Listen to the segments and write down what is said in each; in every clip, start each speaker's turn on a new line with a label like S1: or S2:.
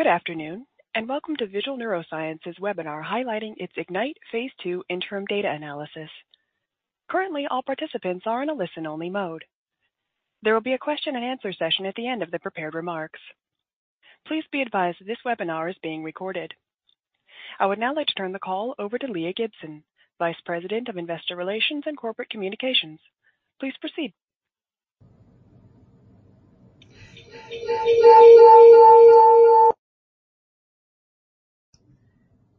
S1: Good afternoon, and welcome to Vigil Neuroscience's webinar highlighting its IGNITE Phase 2 interim data analysis. Currently, all participants are in a listen-only mode. There will be a question and answer session at the end of the prepared remarks. Please be advised this webinar is being recorded. I would now like to turn the call over to Leah Gibson, Vice President of Investor Relations and Corporate Communications. Please proceed.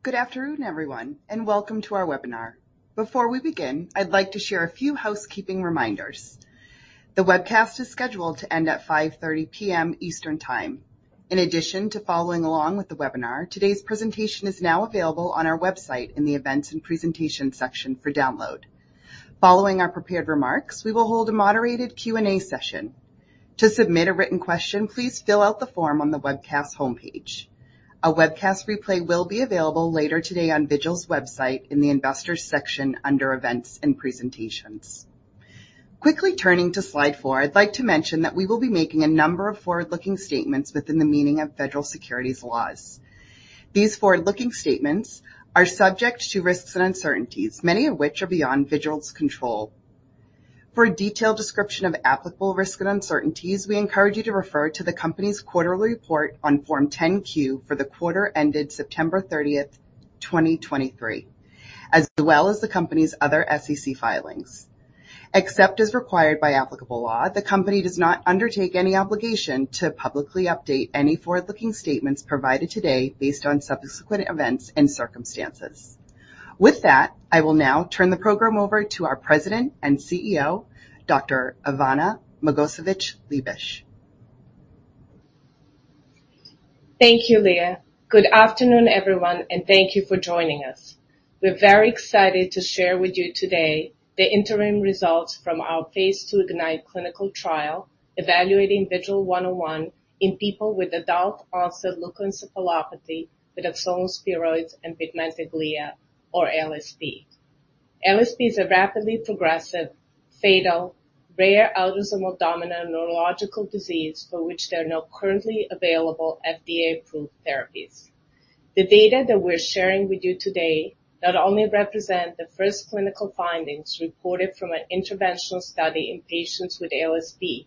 S2: Good afternoon, everyone, and welcome to our webinar. Before we begin, I'd like to share a few housekeeping reminders. The webcast is scheduled to end at 5:30 P.M. Eastern Time. In addition to following along with the webinar, today's presentation is now available on our website in the Events and Presentations section for download. Following our prepared remarks, we will hold a moderated Q&A session. To submit a written question, please fill out the form on the webcast homepage. A webcast replay will be available later today on Vigil's website in the Investors section under Events and Presentations. Quickly turning to slide four, I'd like to mention that we will be making a number of forward-looking statements within the meaning of federal securities laws. These forward-looking statements are subject to risks and uncertainties, many of which are beyond Vigil's control. For a detailed description of applicable risks and uncertainties, we encourage you to refer to the company's quarterly report on Form 10-Q for the quarter ended September 30th, 2023, as well as the company's other SEC filings. Except as required by applicable law, the company does not undertake any obligation to publicly update any forward-looking statements provided today based on subsequent events and circumstances. With that, I will now turn the program over to our President and CEO, Dr. Ivana Magovčević-Liebisch.
S3: Thank you, Leah. Good afternoon, everyone, and thank you for joining us. We're very excited to share with you today the interim results from our Phase 2 IGNITE clinical trial, evaluating VGL101 in people with adult-onset leukoencephalopathy with axonal spheroids and pigmented glia, or ALSP. ALSPs are rapidly progressive, fatal, rare, autosomal dominant neurological disease for which there are no currently available FDA-approved therapies. The data that we're sharing with you today not only represent the first clinical findings reported from an interventional study in patients with ALSP,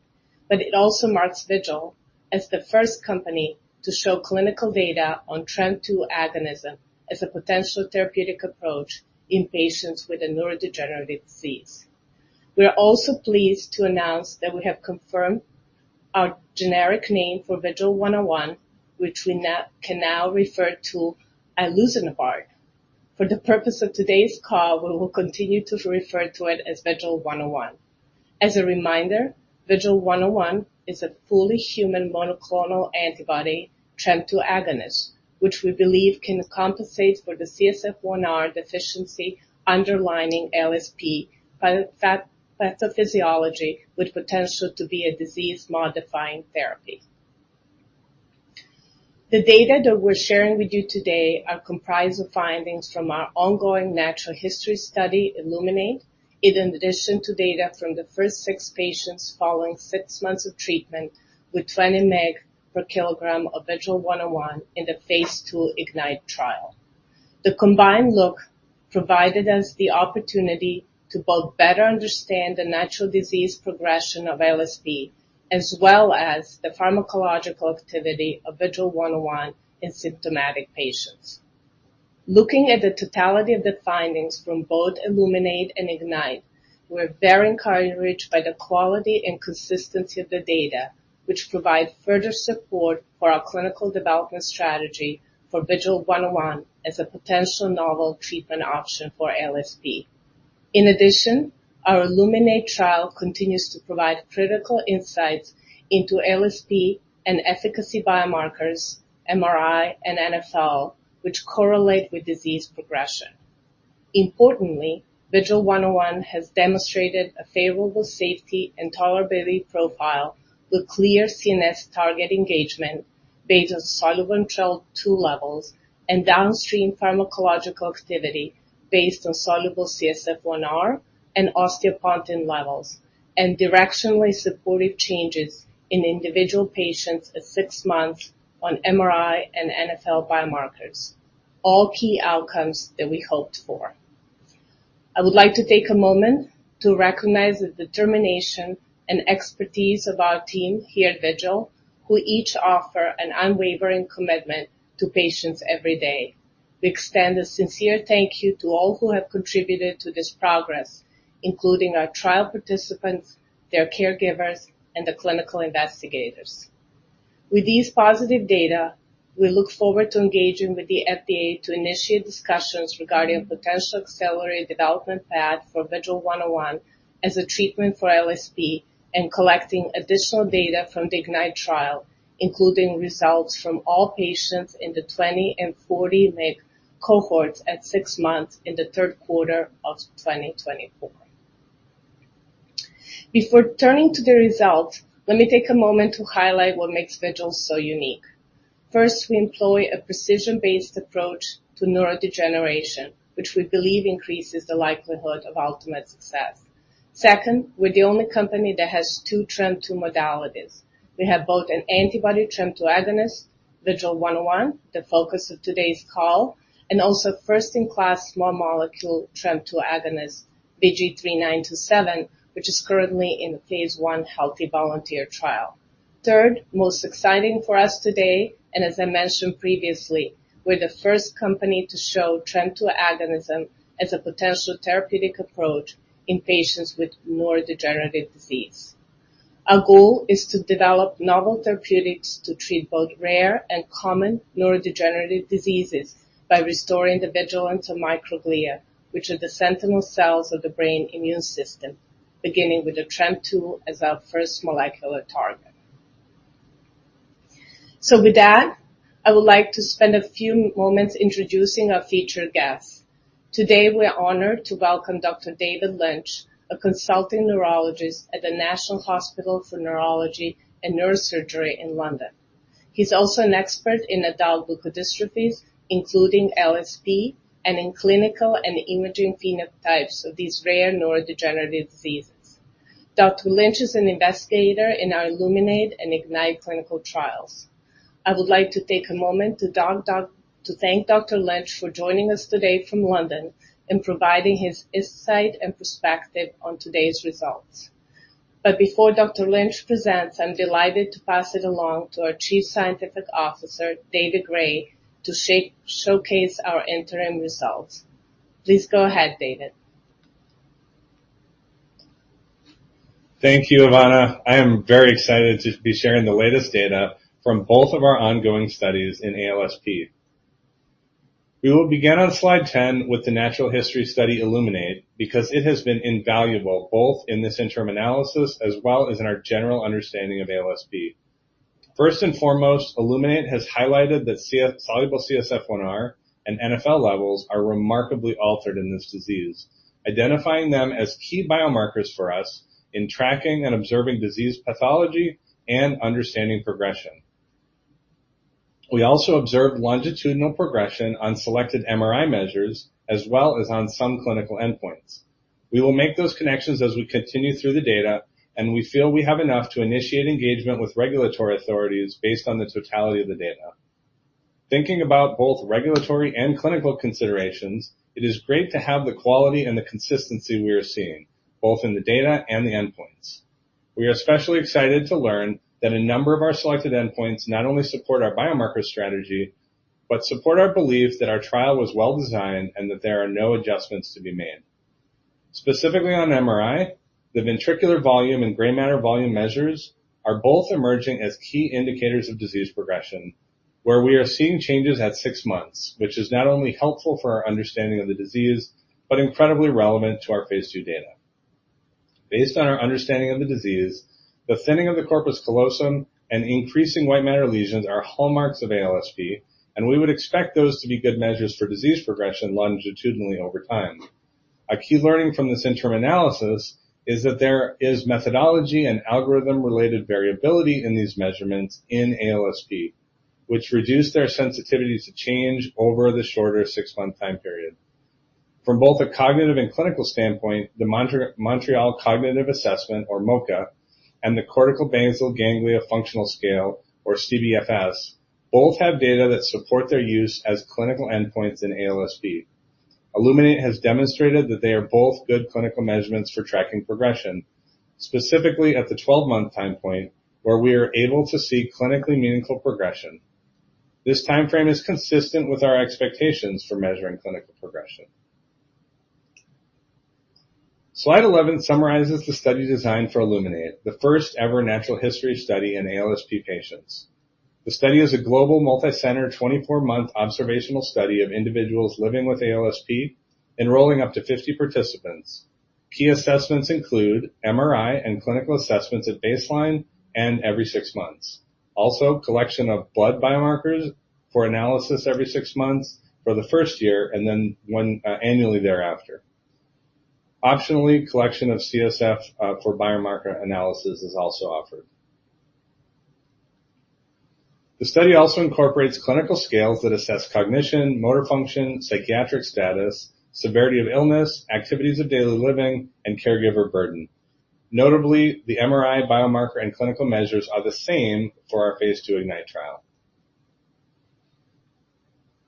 S3: but it also marks Vigil as the first company to show clinical data on TREM2 agonist as a potential therapeutic approach in patients with a neurodegenerative disease. We are also pleased to announce that we have confirmed our generic name for VGL101, which we can now refer to as iluzanebart. For the purpose of today's call, we will continue to refer to it as VGL101. As a reminder, VGL101 is a fully human monoclonal antibody TREM2 agonist, which we believe can compensate for the CSF1R deficiency underlying ALSP pathophysiology, with potential to be a disease-modifying therapy. The data that we're sharing with you today are comprised of findings from our ongoing natural history study, ILLUMINATE, in addition to data from the first six patients following six months of treatment with 20 mg/kg of VGL101 in the Phase 2 IGNITE trial. The combined look provided us the opportunity to both better understand the natural disease progression of ALSP, as well as the pharmacological activity of VGL101 in symptomatic patients. Looking at the totality of the findings from both ILLUMINATE and IGNITE, we're very encouraged by the quality and consistency of the data, which provide further support for our clinical development strategy for VGL101 as a potential novel treatment option for ALSP. In addition, our ILLUMINATE trial continues to provide critical insights into ALSP and efficacy biomarkers, MRI, and NfL, which correlate with disease progression. Importantly, VGL101 has demonstrated a favorable safety and tolerability profile with clear CNS target engagement based on soluble TREM2 levels and downstream pharmacological activity based on soluble CSF1R and osteopontin levels, and directionally supportive changes in individual patients at six months on MRI and NfL biomarkers, all key outcomes that we hoped for. I would like to take a moment to recognize the determination and expertise of our team here at Vigil, who each offer an unwavering commitment to patients every day. We extend a sincere thank you to all who have contributed to this progress, including our trial participants, their caregivers, and the clinical investigators. With these positive data, we look forward to engaging with the FDA to initiate discussions regarding a potential accelerated development path for VGL101 as a treatment for ALSP and collecting additional data from the IGNITE trial, including results from all patients in the 20 and 40 mg cohorts at six months in the third quarter of 2024. Before turning to the results, let me take a moment to highlight what makes Vigil so unique. First, we employ a precision-based approach to neurodegeneration, which we believe increases the likelihood of ultimate success.... Second, we're the only company that has two TREM2 modalities. We have both an antibody TREM2 agonist, VGL101, the focus of today's call, and also first-in-class small molecule TREM2 agonist, VG-3927, which is currently in the phase 1 healthy volunteer trial. Third, most exciting for us today, and as I mentioned previously, we're the first company to show TREM2 agonist as a potential therapeutic approach in patients with neurodegenerative disease. Our goal is to develop novel therapeutics to treat both rare and common neurodegenerative diseases by restoring the vigilance of microglia, which are the sentinel cells of the brain immune system, beginning with the TREM2 as our first molecular target. So with that, I would like to spend a few moments introducing our featured guest. Today, we're honored to welcome Dr. David Lynch, a consulting neurologist at the National Hospital for Neurology and Neurosurgery in London. He's also an expert in adult leukodystrophies, including ALSP, and in clinical and imaging phenotypes of these rare neurodegenerative diseases. Dr. Lynch is an investigator in our ILLUMINATE and IGNITE clinical trials. I would like to take a moment to thank Dr. Lynch for joining us today from London and providing his insight and perspective on today's results. But before Dr. Lynch presents, I'm delighted to pass it along to our Chief Scientific Officer, David Gray, to showcase our interim results. Please go ahead, David.
S4: Thank you, Ivana. I am very excited to be sharing the latest data from both of our ongoing studies in ALSP. We will begin on slide 10 with the Natural History Study ILLUMINATE, because it has been invaluable both in this interim analysis as well as in our general understanding of ALSP. First and foremost, ILLUMINATE has highlighted that soluble CSF1R and NfL levels are remarkably altered in this disease, identifying them as key biomarkers for us in tracking and observing disease pathology and understanding progression. We also observed longitudinal progression on selected MRI measures, as well as on some clinical endpoints. We will make those connections as we continue through the data, and we feel we have enough to initiate engagement with regulatory authorities based on the totality of the data. Thinking about both regulatory and clinical considerations, it is great to have the quality and the consistency we are seeing, both in the data and the endpoints. We are especially excited to learn that a number of our selected endpoints not only support our biomarker strategy, but support our belief that our trial was well-designed and that there are no adjustments to be made. Specifically on MRI, the ventricular volume and gray matter volume measures are both emerging as key indicators of disease progression, where we are seeing changes at six months, which is not only helpful for our understanding of the disease, but incredibly relevant to our phase II data. Based on our understanding of the disease, the thinning of the corpus callosum and increasing white matter lesions are hallmarks of ALSP, and we would expect those to be good measures for disease progression longitudinally over time. A key learning from this interim analysis is that there is methodology and algorithm-related variability in these measurements in ALSP, which reduce their sensitivity to change over the shorter six-month time period. From both a cognitive and clinical standpoint, the Montreal Cognitive Assessment, or MoCA, and the Cortical Basal ganglia Functional Scale, or CBFS, both have data that support their use as clinical endpoints in ALSP. ILLUMINATE has demonstrated that they are both good clinical measurements for tracking progression, specifically at the 12-month time point, where we are able to see clinically meaningful progression. This timeframe is consistent with our expectations for measuring clinical progression. Slide 11 summarizes the study design for ILLUMINATE, the first ever natural history study in ALSP patients. The study is a global, multi-center, 24-month observational study of individuals living with ALSP, enrolling up to 50 participants. Key assessments include MRI and clinical assessments at baseline and every six months. Also, collection of blood biomarkers for analysis every six months for the first year and then one annually thereafter. Optionally, collection of CSF for biomarker analysis is also offered. The study also incorporates clinical scales that assess cognition, motor function, psychiatric status, severity of illness, activities of daily living, and caregiver burden. Notably, the MRI biomarker and clinical measures are the same for our Phase 2 IGNITE trial.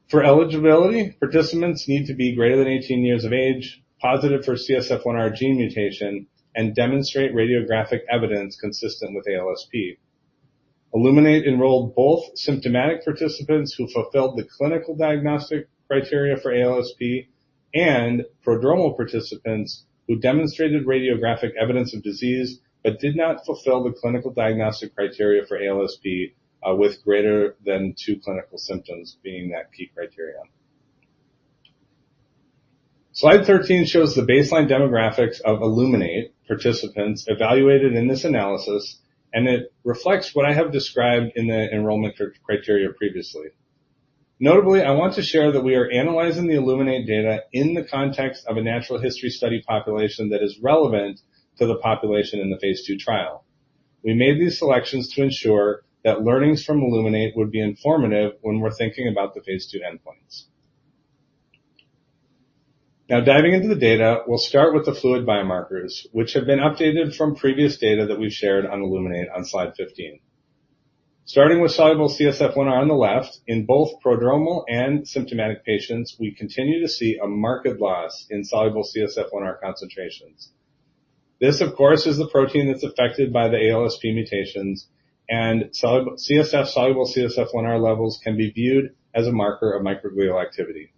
S4: For eligibility, participants need to be greater than 18 years of age, positive for CSF1R gene mutation, and demonstrate radiographic evidence consistent with ALSP. ILLUMINATE enrolled both symptomatic participants who fulfilled the clinical diagnostic criteria for ALSP, and prodromal participants who demonstrated radiographic evidence of disease but did not fulfill the clinical diagnostic criteria for ALSP, with greater than two clinical symptoms being that key criteria. Slide 13 shows the baseline demographics of ILLUMINATE participants evaluated in this analysis, and it reflects what I have described in the enrollment criteria previously. Notably, I want to share that we are analyzing the ILLUMINATE data in the context of a natural history study population that is relevant to the population in the phase II trial. We made these selections to ensure that learnings from ILLUMINATE would be informative when we're thinking about the phase II endpoints. Now, diving into the data, we'll start with the fluid biomarkers, which have been updated from previous data that we've shared on ILLUMINATE on slide 15. Starting with soluble CSF1R on the left, in both prodromal and symptomatic patients, we continue to see a marked loss in soluble CSF1R concentrations. This, of course, is the protein that's affected by the ALSP mutations, and soluble CSF1R levels can be viewed as a marker of microglial activity.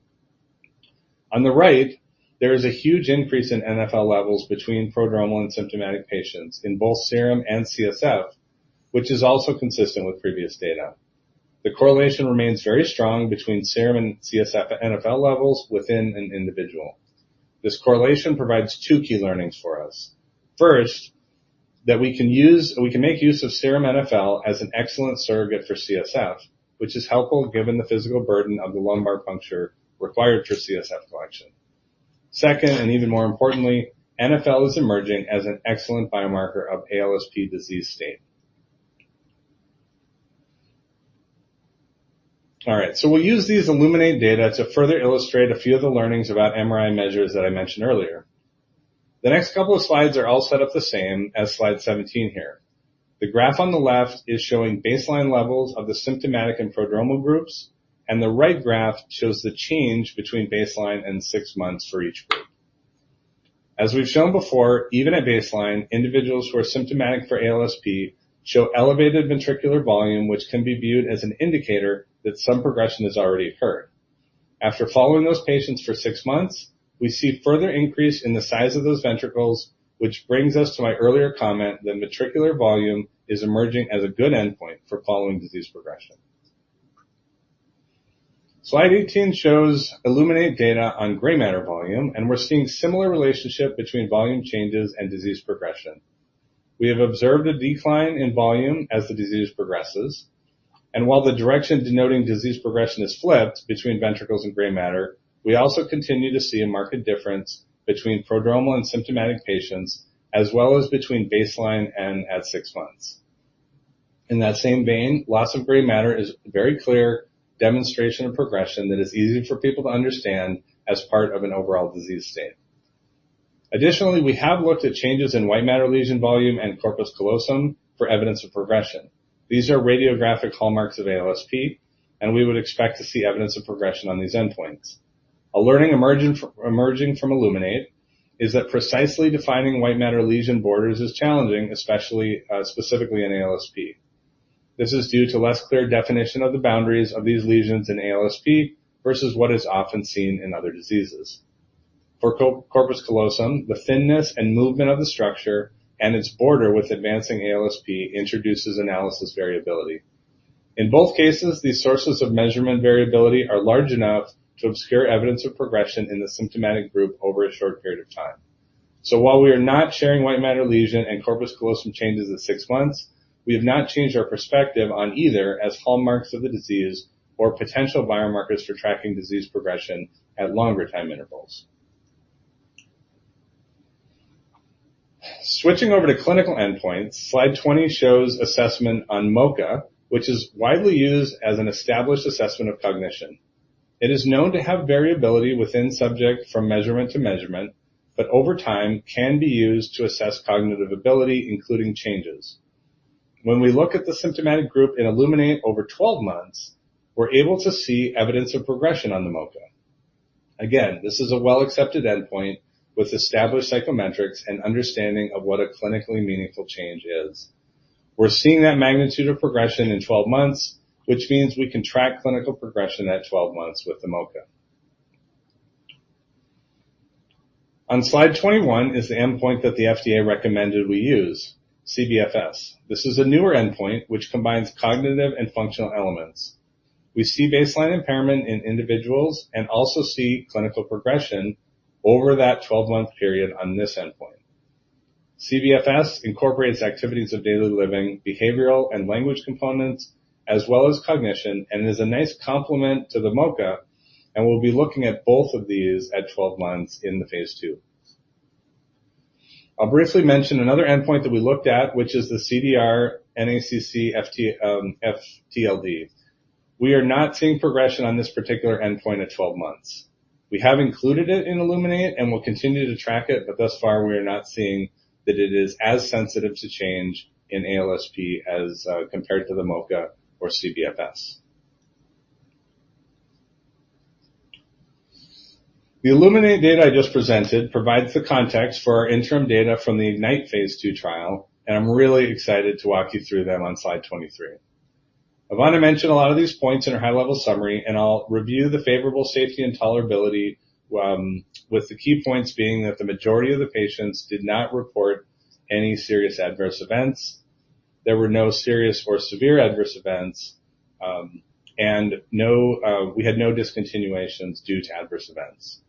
S4: On the right, there is a huge increase in NfL levels between prodromal and symptomatic patients in both serum and CSF, which is also consistent with previous data. The correlation remains very strong between serum and CSF NfL levels within an individual. This correlation provides two key learnings for us. First, that we can make use of serum NfL as an excellent surrogate for CSF, which is helpful given the physical burden of the lumbar puncture required for CSF collection. Second, and even more importantly, NfL is emerging as an excellent biomarker of ALSP disease state. All right, so we'll use these ILLUMINATE data to further illustrate a few of the learnings about MRI measures that I mentioned earlier. The next couple of slides are all set up the same as slide 17 here. The graph on the left is showing baseline levels of the symptomatic and prodromal groups, and the right graph shows the change between baseline and 6 months for each group. As we've shown before, even at baseline, individuals who are symptomatic for ALSP show elevated ventricular volume, which can be viewed as an indicator that some progression has already occurred. After following those patients for six months, we see further increase in the size of those ventricles, which brings us to my earlier comment that ventricular volume is emerging as a good endpoint for following disease progression. Slide 18 shows ILLUMINATE data on gray matter volume, and we're seeing similar relationship between volume changes and disease progression. We have observed a decline in volume as the disease progresses, and while the direction denoting disease progression is flipped between ventricles and gray matter, we also continue to see a marked difference between prodromal and symptomatic patients, as well as between baseline and at six months. In that same vein, loss of gray matter is a very clear demonstration of progression that is easy for people to understand as part of an overall disease state. Additionally, we have looked at changes in white matter lesion volume and corpus callosum for evidence of progression. These are radiographic hallmarks of ALSP, and we would expect to see evidence of progression on these endpoints. A learning emerging from ILLUMINATE is that precisely defining white matter lesion borders is challenging, especially, specifically in ALSP. This is due to less clear definition of the boundaries of these lesions in ALSP versus what is often seen in other diseases. For corpus callosum, the thinness and movement of the structure and its border with advancing ALSP introduces analysis variability. In both cases, these sources of measurement variability are large enough to obscure evidence of progression in the symptomatic group over a short period of time. So while we are not sharing white matter lesion and corpus callosum changes at six months, we have not changed our perspective on either as hallmarks of the disease or potential biomarkers for tracking disease progression at longer time intervals. Switching over to clinical endpoints, slide 20 shows assessment on MoCA, which is widely used as an established assessment of cognition. It is known to have variability within subject from measurement to measurement, but over time can be used to assess cognitive ability, including changes. When we look at the symptomatic group in ILLUMINATE over 12 months, we're able to see evidence of progression on the MoCA. Again, this is a well-accepted endpoint with established psychometrics and understanding of what a clinically meaningful change is. We're seeing that magnitude of progression in 12 months, which means we can track clinical progression at 12 months with the MoCA. On slide 21 is the endpoint that the FDA recommended we use, CBFS. This is a newer endpoint, which combines cognitive and functional elements. We see baseline impairment in individuals and also see clinical progression over that 12-month period on this endpoint. CBFS incorporates activities of daily living, behavioral and language components, as well as cognition, and is a nice complement to the MoCA, and we'll be looking at both of these at 12 months in the phase II. I'll briefly mention another endpoint that we looked at, which is the CDR-NACC FTLD. We are not seeing progression on this particular endpoint at 12 months. We have included it in ILLUMINATE, and we'll continue to track it, but thus far, we are not seeing that it is as sensitive to change in ALSP as compared to the MoCA or CBFS. The ILLUMINATE data I just presented provides the context for our interim data from the IGNITE phase 2 trial, and I'm really excited to walk you through them on slide 23. I want to mention a lot of these points in our high-level summary, and I'll review the favorable safety and tolerability, with the key points being that the majority of the patients did not report any serious adverse events. There were no serious or severe adverse events, and no, we had no discontinuations due to adverse events.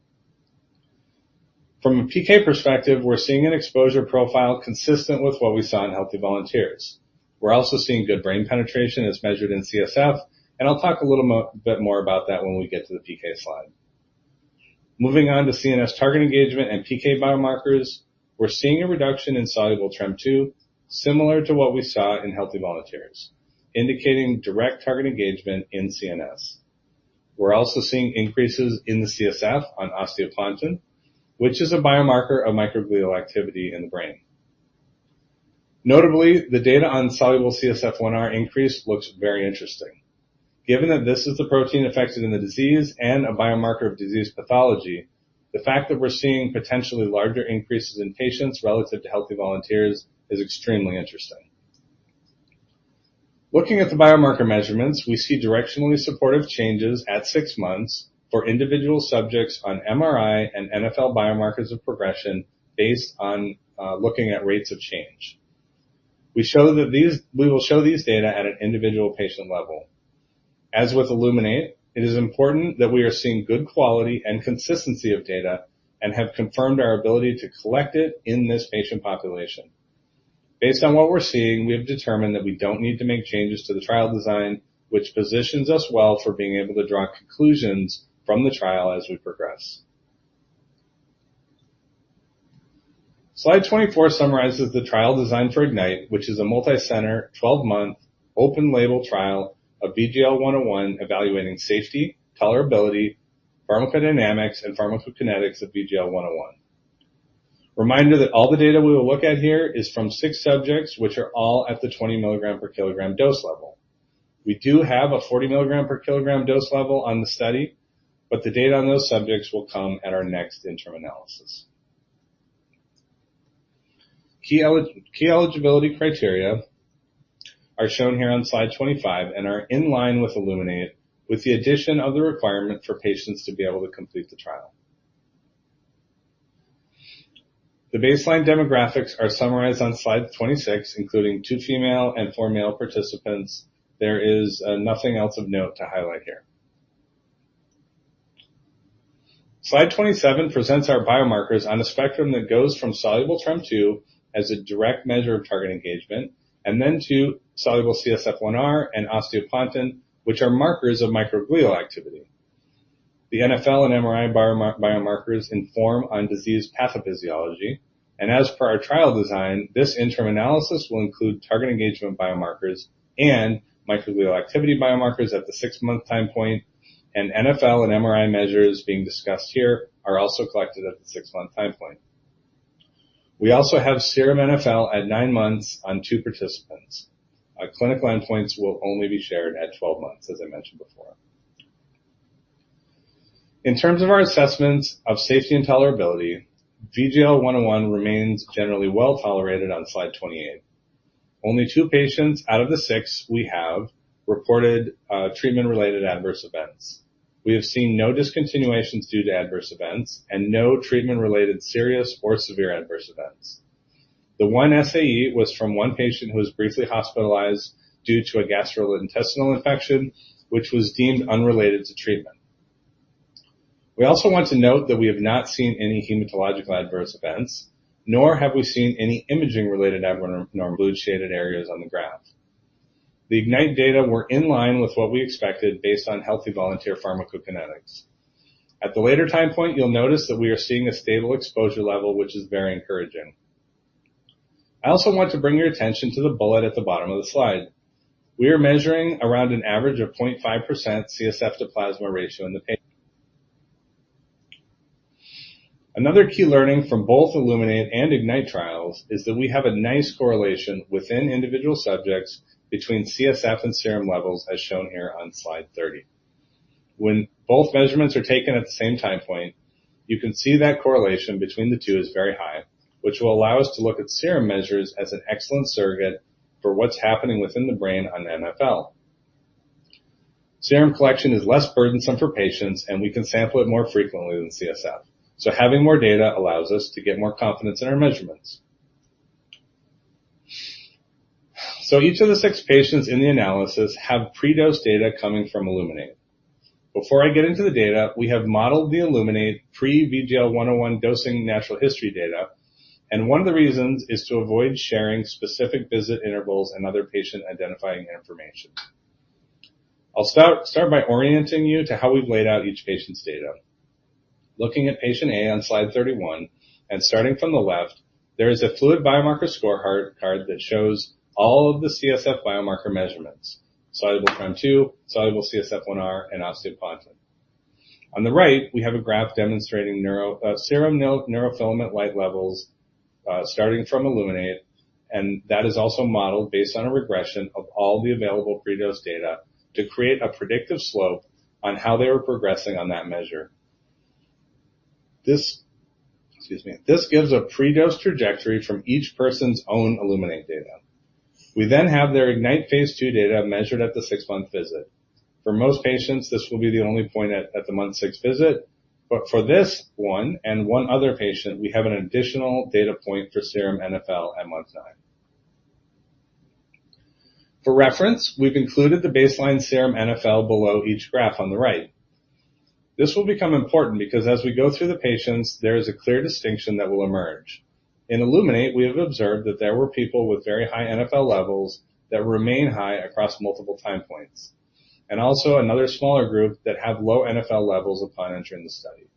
S4: From a PK perspective, we're seeing an exposure profile consistent with what we saw in healthy volunteers. We're also seeing good brain penetration as measured in CSF, and I'll talk a little bit more about that when we get to the PK slide. Moving on to CNS target engagement and PK biomarkers, we're seeing a reduction in soluble TREM2, similar to what we saw in healthy volunteers, indicating direct target engagement in CNS. We're also seeing increases in the CSF on osteopontin, which is a biomarker of microglial activity in the brain. Notably, the data on Soluble CSF1R increase looks very interesting. Given that this is the protein affected in the disease and a biomarker of disease pathology, the fact that we're seeing potentially larger increases in patients relative to healthy volunteers is extremely interesting. Looking at the biomarker measurements, we see directionally supportive changes at six months for individual subjects on MRI and NfL biomarkers of progression based on looking at rates of change. We will show these data at an individual patient level. As with ILLUMINATE, it is important that we are seeing good quality and consistency of data, and have confirmed our ability to collect it in this patient population. Based on what we're seeing, we have determined that we don't need to make changes to the trial design, which positions us well for being able to draw conclusions from the trial as we progress. Slide 24 summarizes the trial design for IGNITE, which is a multicenter, 12-month, open label trial of VGL101, evaluating safety, tolerability, pharmacodynamics, and pharmacokinetics of VGL101. Reminder that all the data we will look at here is from six subjects, which are all at the 20 mg/kg dose level. We do have a 40 mg/kg dose level on the study, but the data on those subjects will come at our next interim analysis. Key eligibility criteria are shown here on slide 25 and are in line with ILLUMINATE, with the addition of the requirement for patients to be able to complete the trial. The baseline demographics are summarized on slide 26, including two female and four male participants. There is nothing else of note to highlight here. Slide 27 presents our biomarkers on a spectrum that goes from soluble TREM2 as a direct measure of target engagement, and then to soluble CSF1R and osteopontin, which are markers of microglial activity. The NfL and MRI biomarkers inform on disease pathophysiology, and as per our trial design, this interim analysis will include target engagement biomarkers and microglial activity biomarkers at the six-month time point, and NfL and MRI measures being discussed here are also collected at the six-month time point. We also have serum NfL at nine months on two participants. Our clinical endpoints will only be shared at 12 months, as I mentioned before. In terms of our assessments of safety and tolerability, VGL101 remains generally well tolerated on slide 28. Only two patients out of the six we have reported treatment-related adverse events. We have seen no discontinuations due to adverse events and no treatment-related serious or severe adverse events. The one SAE was from one patient who was briefly hospitalized due to a gastrointestinal infection, which was deemed unrelated to treatment. We also want to note that we have not seen any hematological adverse events, nor have we seen any imaging-related adverse, nor blue shaded areas on the graph. The IGNITE data were in line with what we expected based on healthy volunteer pharmacokinetics. At the later time point, you'll notice that we are seeing a stable exposure level, which is very encouraging. I also want to bring your attention to the bullet at the bottom of the slide. We are measuring around an average of 0.5% CSF to plasma ratio in the patients. Another key learning from both ILLUMINATE and IGNITE trials is that we have a nice correlation within individual subjects between CSF and serum levels, as shown here on slide 30. When both measurements are taken at the same time point, you can see that correlation between the two is very high, which will allow us to look at serum measures as an excellent surrogate for what's happening within the brain on NfL. Serum collection is less burdensome for patients, and we can sample it more frequently than CSF. So having more data allows us to get more confidence in our measurements. Each of the six patients in the analysis have pre-dose data coming from ILLUMINATE. Before I get into the data, we have modeled the ILLUMINATE pre-VGL101 dosing natural history data, and one of the reasons is to avoid sharing specific visit intervals and other patient identifying information. I'll start by orienting you to how we've laid out each patient's data. Looking at patient A on slide 31, and starting from the left, there is a fluid biomarker scorecard that shows all of the CSF biomarker measurements: soluble TREM2, soluble CSF1R, and osteopontin. On the right, we have a graph demonstrating serum neurofilament light levels, starting from ILLUMINATE, and that is also modeled based on a regression of all the available pre-dose data to create a predictive slope on how they were progressing on that measure. This gives a pre-dose trajectory from each person's own ILLUMINATE data. We then have their IGNITE Phase 2 data measured at the 6-month visit. For most patients, this will be the only point at the month six visit, but for this one and one other patient, we have an additional data point for serum NfL at month nine. For reference, we've included the baseline serum NfL below each graph on the right. This will become important because as we go through the patients, there is a clear distinction that will emerge.... In ILLUMINATE, we have observed that there were people with very high NfL levels that remain high across multiple time points, and also another smaller group that have low NfL levels upon entering the study.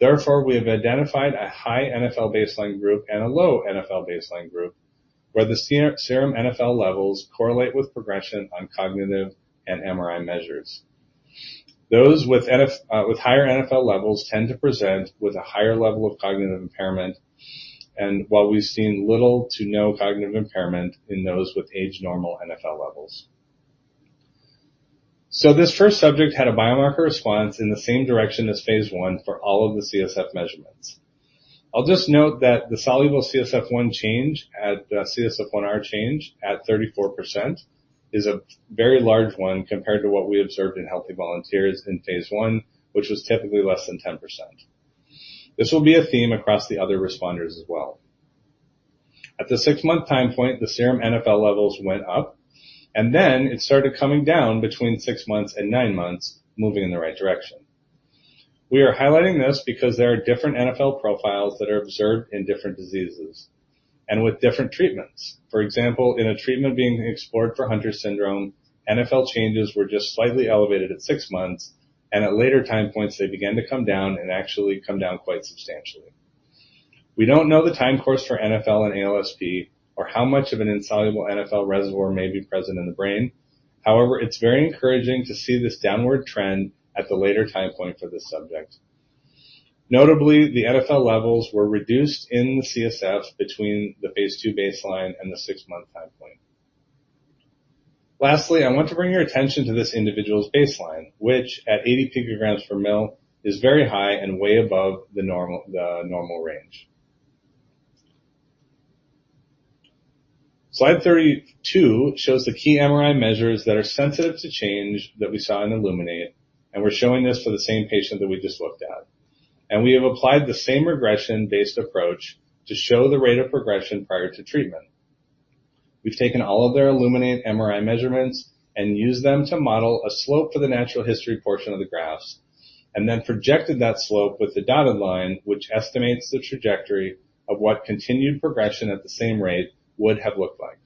S4: Therefore, we have identified a high NfL baseline group and a low NfL baseline group, where the serum NfL levels correlate with progression on cognitive and MRI measures. Those with higher NfL levels tend to present with a higher level of cognitive impairment, and while we've seen little to no cognitive impairment in those with age-normal NfL levels. So this first subject had a biomarker response in the same direction as phase I for all of the CSF measurements. I'll just note that the soluble CSF1R change at 34% is a very large one compared to what we observed in healthy volunteers in phase I, which was typically less than 10%. This will be a theme across the other responders as well. At the six-month time point, the serum NfL levels went up, and then it started coming down between six months and nine months, moving in the right direction. We are highlighting this because there are different NfL profiles that are observed in different diseases and with different treatments. For example, in a treatment being explored for Hunter's syndrome, NfL changes were just slightly elevated at six months, and at later time points, they began to come down and actually come down quite substantially. We don't know the time course for NfL and ALSP or how much of an insoluble NfL reservoir may be present in the brain. However, it's very encouraging to see this downward trend at the later time point for this subject. Notably, the NfL levels were reduced in the CSF between the phase II baseline and the six-month time point. Lastly, I want to bring your attention to this individual's baseline, which at 80 pg/ml, is very high and way above the normal range. Slide 32 shows the key MRI measures that are sensitive to change that we saw in ILLUMINATE, and we're showing this for the same patient that we just looked at. We have applied the same regression-based approach to show the rate of progression prior to treatment. We've taken all of their ILLUMINATE MRI measurements and used them to model a slope for the natural history portion of the graphs and then projected that slope with the dotted line, which estimates the trajectory of what continued progression at the same rate would have looked like.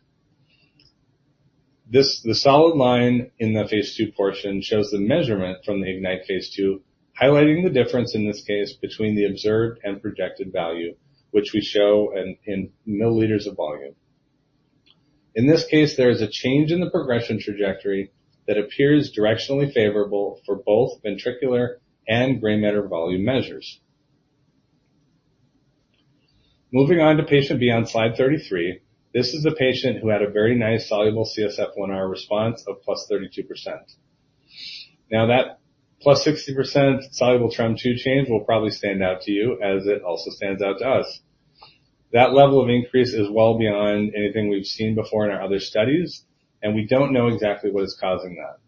S4: The solid line in the phase II portion shows the measurement from the IGNITE Phase 2, highlighting the difference in this case between the observed and projected value, which we show in milliliters of volume. In this case, there is a change in the progression trajectory that appears directionally favorable for both ventricular and gray matter volume measures. Moving on to patient B on slide 33. This is a patient who had a very nice soluble CSF1R response of +32%. Now, that +60% soluble TREM2 change will probably stand out to you, as it also stands out to us. That level of increase is well beyond anything we've seen before in our other studies, and we don't know exactly what is causing that.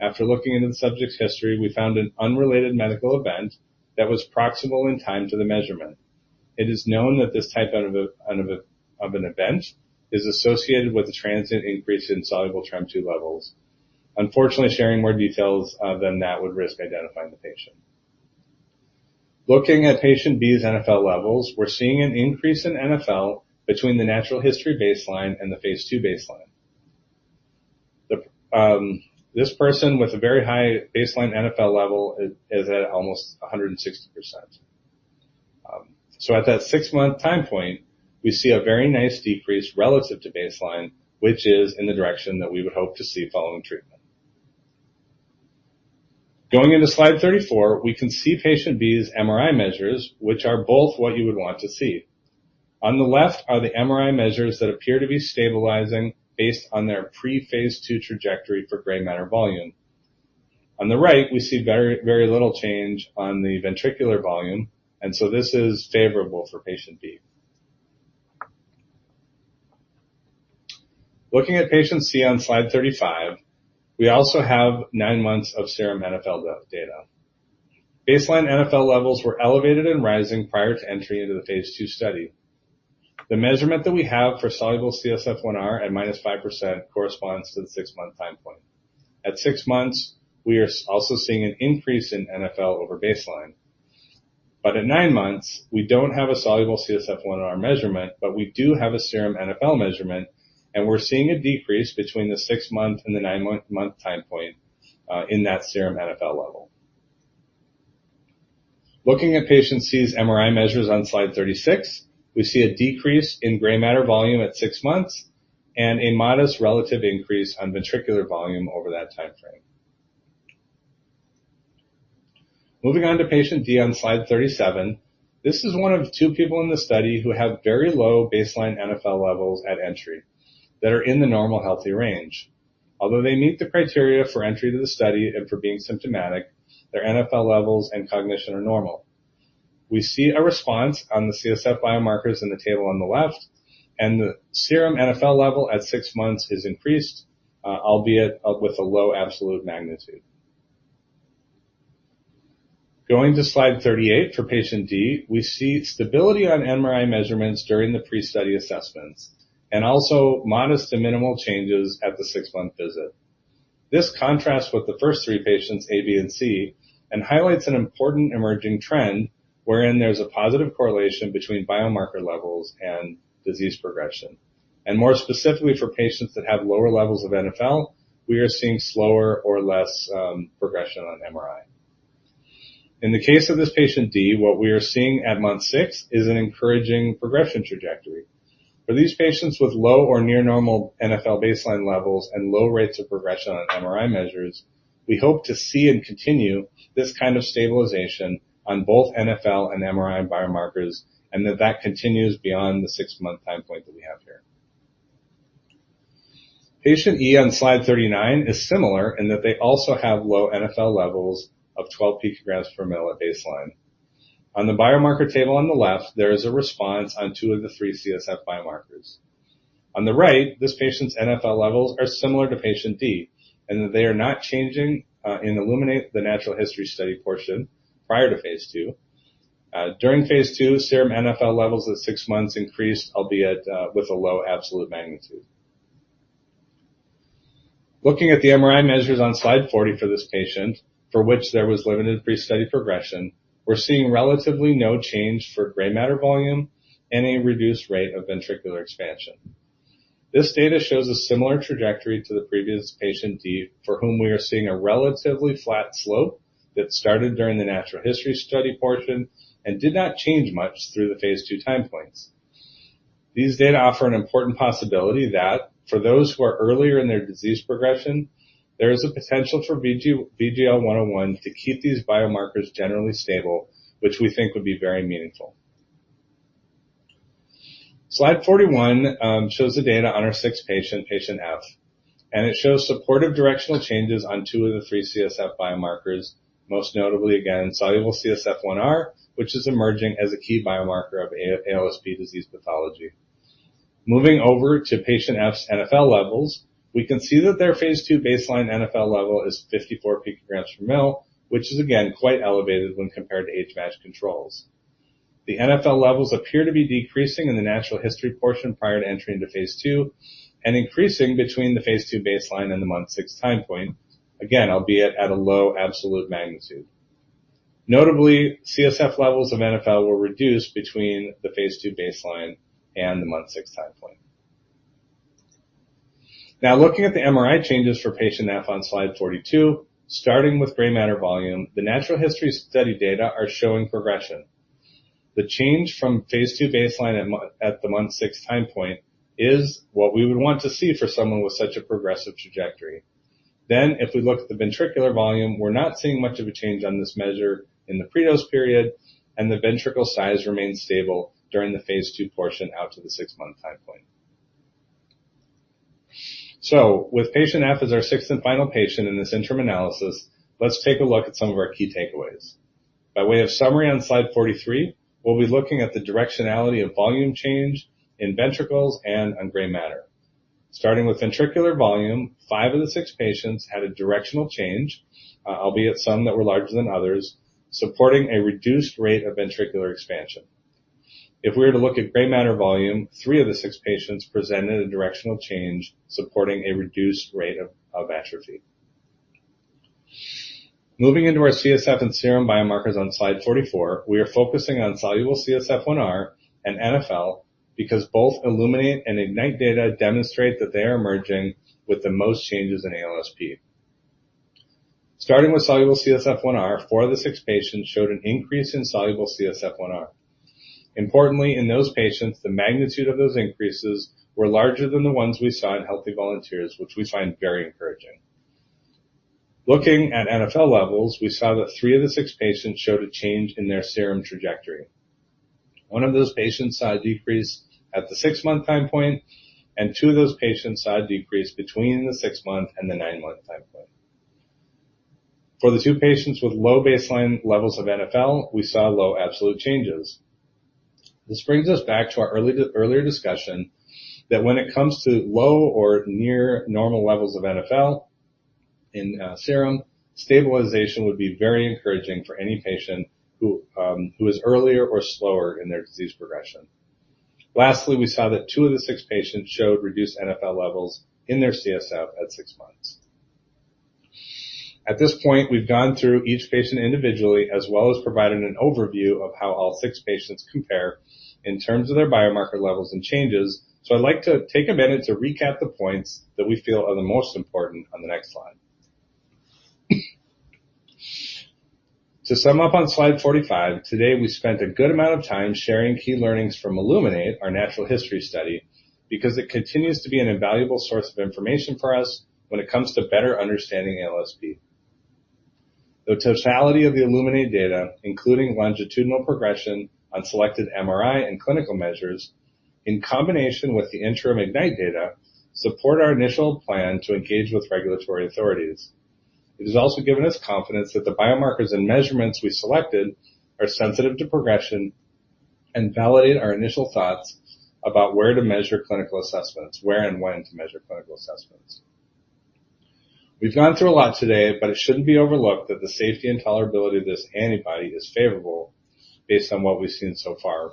S4: After looking into the subject's history, we found an unrelated medical event that was proximal in time to the measurement. It is known that this type of an event is associated with a transient increase in soluble TREM2 levels. Unfortunately, sharing more details than that would risk identifying the patient. Looking at patient B's NfL levels, we're seeing an increase in NfL between the natural history baseline and the phase II baseline. This person with a very high baseline NfL level is at almost 160%. So at that six-month time point, we see a very nice decrease relative to baseline, which is in the direction that we would hope to see following treatment. Going into slide 34, we can see patient B's MRI measures, which are both what you would want to see. On the left are the MRI measures that appear to be stabilizing based on their pre-Phase II trajectory for gray matter volume. On the right, we see very, very little change on the ventricular volume, and so this is favorable for patient B. Looking at patient C on slide 35, we also have nine months of serum NfL data. Baseline NfL levels were elevated and rising prior to entry into the phase II study. The measurement that we have for soluble CSF1R at -5% corresponds to the six-month time point. At six months, we are also seeing an increase in NfL over baseline. But at nine months, we don't have a soluble CSF1R measurement, but we do have a serum NfL measurement, and we're seeing a decrease between the six-month and the nine-month time point in that serum NfL level. Looking at patient C's MRI measures on slide 36, we see a decrease in gray matter volume at 6 months and a modest relative increase on ventricular volume over that timeframe. Moving on to patient D on slide 37. This is one of two people in the study who have very low baseline NfL levels at entry that are in the normal healthy range. Although they meet the criteria for entry to the study and for being symptomatic, their NfL levels and cognition are normal. We see a response on the CSF biomarkers in the table on the left, and the serum NfL level at six months is increased, albeit with a low absolute magnitude. Going to slide 38 for patient D, we see stability on MRI measurements during the pre-study assessments and also modest to minimal changes at the 6-month visit. This contrasts with the first three patients, A, B, and C, and highlights an important emerging trend wherein there's a positive correlation between biomarker levels and disease progression. More specifically, for patients that have lower levels of NfL, we are seeing slower or less progression on MRI. In the case of this patient D, what we are seeing at month 6 is an encouraging progression trajectory. For these patients with low or near normal NfL baseline levels and low rates of progression on MRI measures, we hope to see and continue this kind of stabilization on both NfL and MRI biomarkers, and that that continues beyond the six-month time point that we have here. Patient E on slide 39 is similar in that they also have low NfL levels of 12 pg/ml at baseline. On the biomarker table on the left, there is a response on two of the three CSF biomarkers. On the right, this patient's NfL levels are similar to patient D, and they are not changing, in the ILLUMINATE, the natural history study portion prior to phase II. During phase II, serum NfL levels at six months increased, albeit, with a low absolute magnitude. Looking at the MRI measures on slide 40 for this patient, for which there was limited pre-study progression, we're seeing relatively no change for gray matter volume and a reduced rate of ventricular expansion. This data shows a similar trajectory to the previous patient D, for whom we are seeing a relatively flat slope that started during the natural history study portion and did not change much through the phase II time points. These data offer an important possibility that for those who are earlier in their disease progression, there is a potential for VGL101 to keep these biomarkers generally stable, which we think would be very meaningful. Slide 41 shows the data on our sixth patient, patient F, and it shows supportive directional changes on two of the three CSF biomarkers, most notably, again, soluble CSF1R, which is emerging as a key biomarker of ALSP disease pathology. Moving over to patient F's NfL levels, we can see that their phase II baseline NfL level is 54 pg/ml, which is again quite elevated when compared to age-matched controls. The NfL levels appear to be decreasing in the natural history portion prior to entering into phase II and increasing between the phase II baseline and the month six time point. Again, albeit at a low absolute magnitude. Notably, CSF levels of NfL were reduced between the phase II baseline and the month six time point. Now, looking at the MRI changes for patient F on slide 42, starting with gray matter volume, the natural history study data are showing progression. The change from phase II baseline at the month six time point is what we would want to see for someone with such a progressive trajectory. Then, if we look at the ventricular volume, we're not seeing much of a change on this measure in the pre-dose period, and the ventricle size remains stable during the phase II portion out to the six-month time point. So with patient F as our sixth and final patient in this interim analysis, let's take a look at some of our key takeaways. By way of summary on slide 43, we'll be looking at the directionality of volume change in ventricles and on gray matter. Starting with ventricular volume, five of the six patients had a directional change, albeit some that were larger than others, supporting a reduced rate of ventricular expansion. If we were to look at gray matter volume, three of the six patients presented a directional change supporting a reduced rate of atrophy. Moving into our CSF and serum biomarkers on slide 44, we are focusing on soluble CSF1R and NfL because both ILLUMINATE and IGNITE data demonstrate that they are emerging with the most changes in ALSP. Starting with soluble CSF1R, four of the six patients showed an increase in soluble CSF1R. Importantly, in those patients, the magnitude of those increases were larger than the ones we saw in healthy volunteers, which we find very encouraging. Looking at NfL levels, we saw that three of the six patients showed a change in their serum trajectory. One of those patients saw a decrease at the six-month time point, and two of those patients saw a decrease between the six-month and the nine-month time point. For the two patients with low baseline levels of NfL, we saw low absolute changes. This brings us back to our earlier discussion, that when it comes to low or near normal levels of NfL in serum, stabilization would be very encouraging for any patient who is earlier or slower in their disease progression. Lastly, we saw that two of the six patients showed reduced NfL levels in their CSF at six months. At this point, we've gone through each patient individually, as well as provided an overview of how all six patients compare in terms of their biomarker levels and changes. So I'd like to take a minute to recap the points that we feel are the most important on the next slide. To sum up on slide 45, today, we spent a good amount of time sharing key learnings from ILLUMINATE, our natural history study, because it continues to be an invaluable source of information for us when it comes to better understanding ALSP. The totality of the ILLUMINATE data, including longitudinal progression on selected MRI and clinical measures, in combination with the interim IGNITE data, support our initial plan to engage with regulatory authorities. It has also given us confidence that the biomarkers and measurements we selected are sensitive to progression and validate our initial thoughts about where to measure clinical assessments, where and when to measure clinical assessments. We've gone through a lot today, but it shouldn't be overlooked that the safety and tolerability of this antibody is favorable based on what we've seen so far.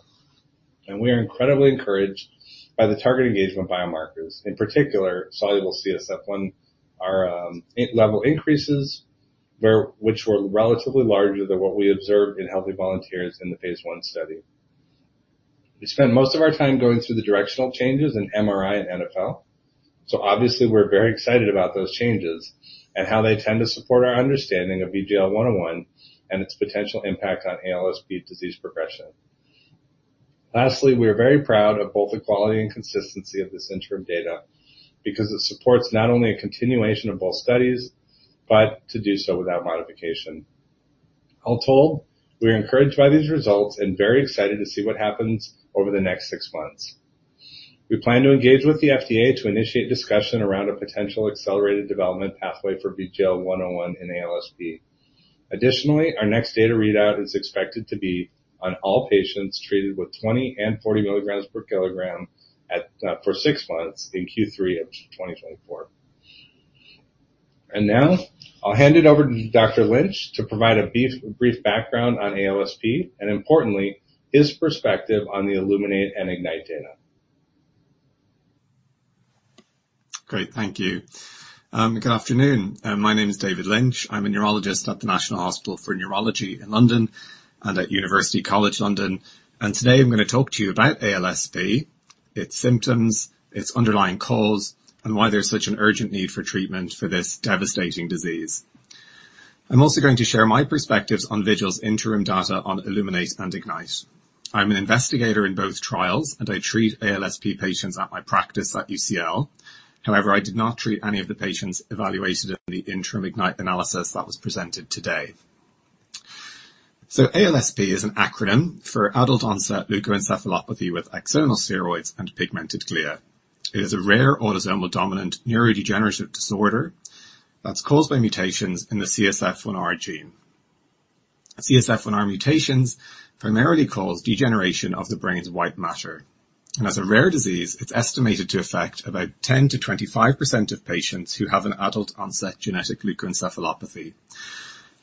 S4: We are incredibly encouraged by the target engagement biomarkers, in particular, soluble CSF1R. Our level increases, which were relatively larger than what we observed in healthy volunteers in the phase I study. We spent most of our time going through the directional changes in MRI and NfL. So obviously, we're very excited about those changes and how they tend to support our understanding of VGL101 and its potential impact on ALSP disease progression. Lastly, we are very proud of both the quality and consistency of this interim data because it supports not only a continuation of both studies, but to do so without modification. All told, we are encouraged by these results and very excited to see what happens over the next six months. We plan to engage with the FDA to initiate discussion around a potential accelerated development pathway for VGL101 in ALSP. Additionally, our next data readout is expected to be on all patients treated with 20 and 40 mg/kg at, for six months in Q3 of 2024. And now I'll hand it over to Dr. Lynch to provide a brief, brief background on ALSP and importantly, his perspective on the ILLUMINATE and IGNITE data.
S5: Great, thank you. Good afternoon. My name is David Lynch. I'm a neurologist at the National Hospital for Neurology in London and at University College London. Today I'm going to talk to you about ALSP, its symptoms, its underlying cause, and why there's such an urgent need for treatment for this devastating disease. I'm also going to share my perspectives on Vigil's interim data on ILLUMINATE and IGNITE. I'm an investigator in both trials, and I treat ALSP patients at my practice at UCL. However, I did not treat any of the patients evaluated in the interim IGNITE analysis that was presented today. ALSP is an acronym for Adult-Onset Leukoencephalopathy with Axonal Spheroids and Pigmented Glia. It is a rare autosomal dominant neurodegenerative disorder that's caused by mutations in the CSF1R gene. CSF1R mutations primarily cause degeneration of the brain's white matter, and as a rare disease, it's estimated to affect about 10%-25% of patients who have an adult-onset genetic leukoencephalopathy.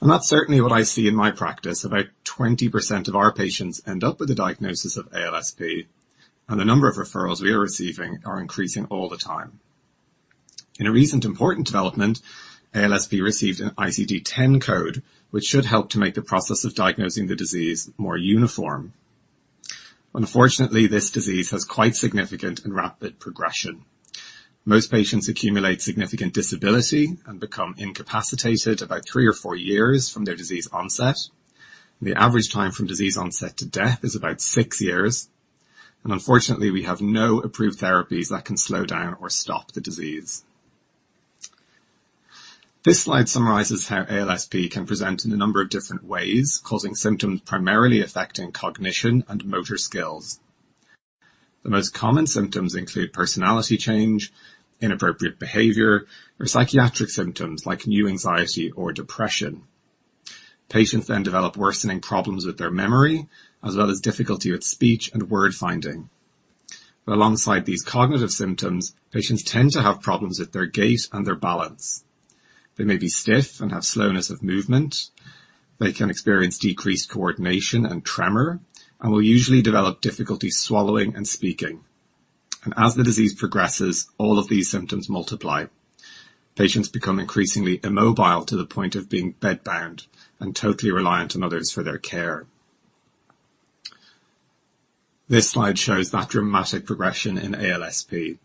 S5: That's certainly what I see in my practice. About 20% of our patients end up with a diagnosis of ALSP, and the number of referrals we are receiving are increasing all the time. In a recent important development, ALSP received an ICD-10 code, which should help to make the process of diagnosing the disease more uniform. Unfortunately, this disease has quite significant and rapid progression. Most patients accumulate significant disability and become incapacitated about three or four years from their disease onset. The average time from disease onset to death is about six years, and unfortunately, we have no approved therapies that can slow down or stop the disease. This slide summarizes how ALSP can present in a number of different ways, causing symptoms primarily affecting cognition and motor skills. The most common symptoms include personality change, inappropriate behavior, or psychiatric symptoms like new anxiety or depression. Patients then develop worsening problems with their memory, as well as difficulty with speech and word-finding. But alongside these cognitive symptoms, patients tend to have problems with their gait and their balance. They may be stiff and have slowness of movement. They can experience decreased coordination and tremor and will usually develop difficulty swallowing and speaking. And as the disease progresses, all of these symptoms multiply. Patients become increasingly immobile to the point of being bedbound and totally reliant on others for their care. This slide shows that dramatic progression in ALSP.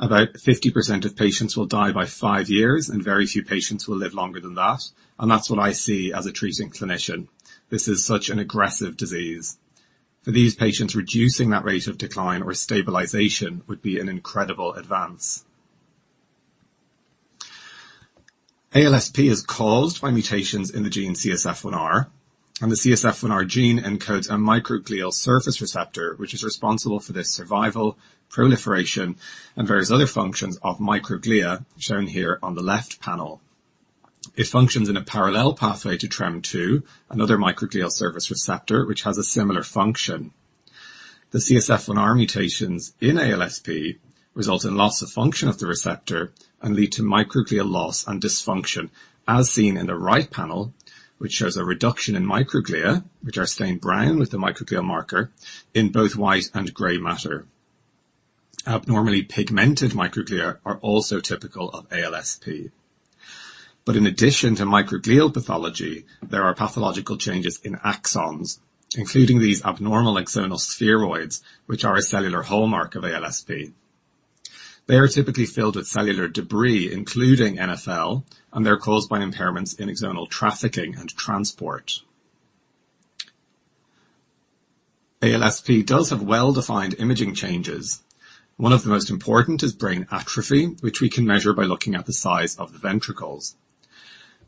S5: About 50% of patients will die by five years, and very few patients will live longer than that, and that's what I see as a treating clinician. This is such an aggressive disease. For these patients, reducing that rate of decline or stabilization would be an incredible advance. ALSP is caused by mutations in the gene CSF1R, and the CSF1R gene encodes a microglial surface receptor, which is responsible for this survival, proliferation, and various other functions of microglia, shown here on the left panel. It functions in a parallel pathway to TREM2, another microglial surface receptor, which has a similar function. The CSF1R mutations in ALSP result in loss of function of the receptor and lead to microglial loss and dysfunction, as seen in the right panel, which shows a reduction in microglia, which are stained brown with the microglial marker in both white and gray matter. Abnormally pigmented microglia are also typical of ALSP. In addition to microglial pathology, there are pathological changes in axons, including these abnormal axonal spheroids, which are a cellular hallmark of ALSP. They are typically filled with cellular debris, including NfL, and they're caused by impairments in axonal trafficking and transport. ALSP does have well-defined imaging changes. One of the most important is brain atrophy, which we can measure by looking at the size of the ventricles.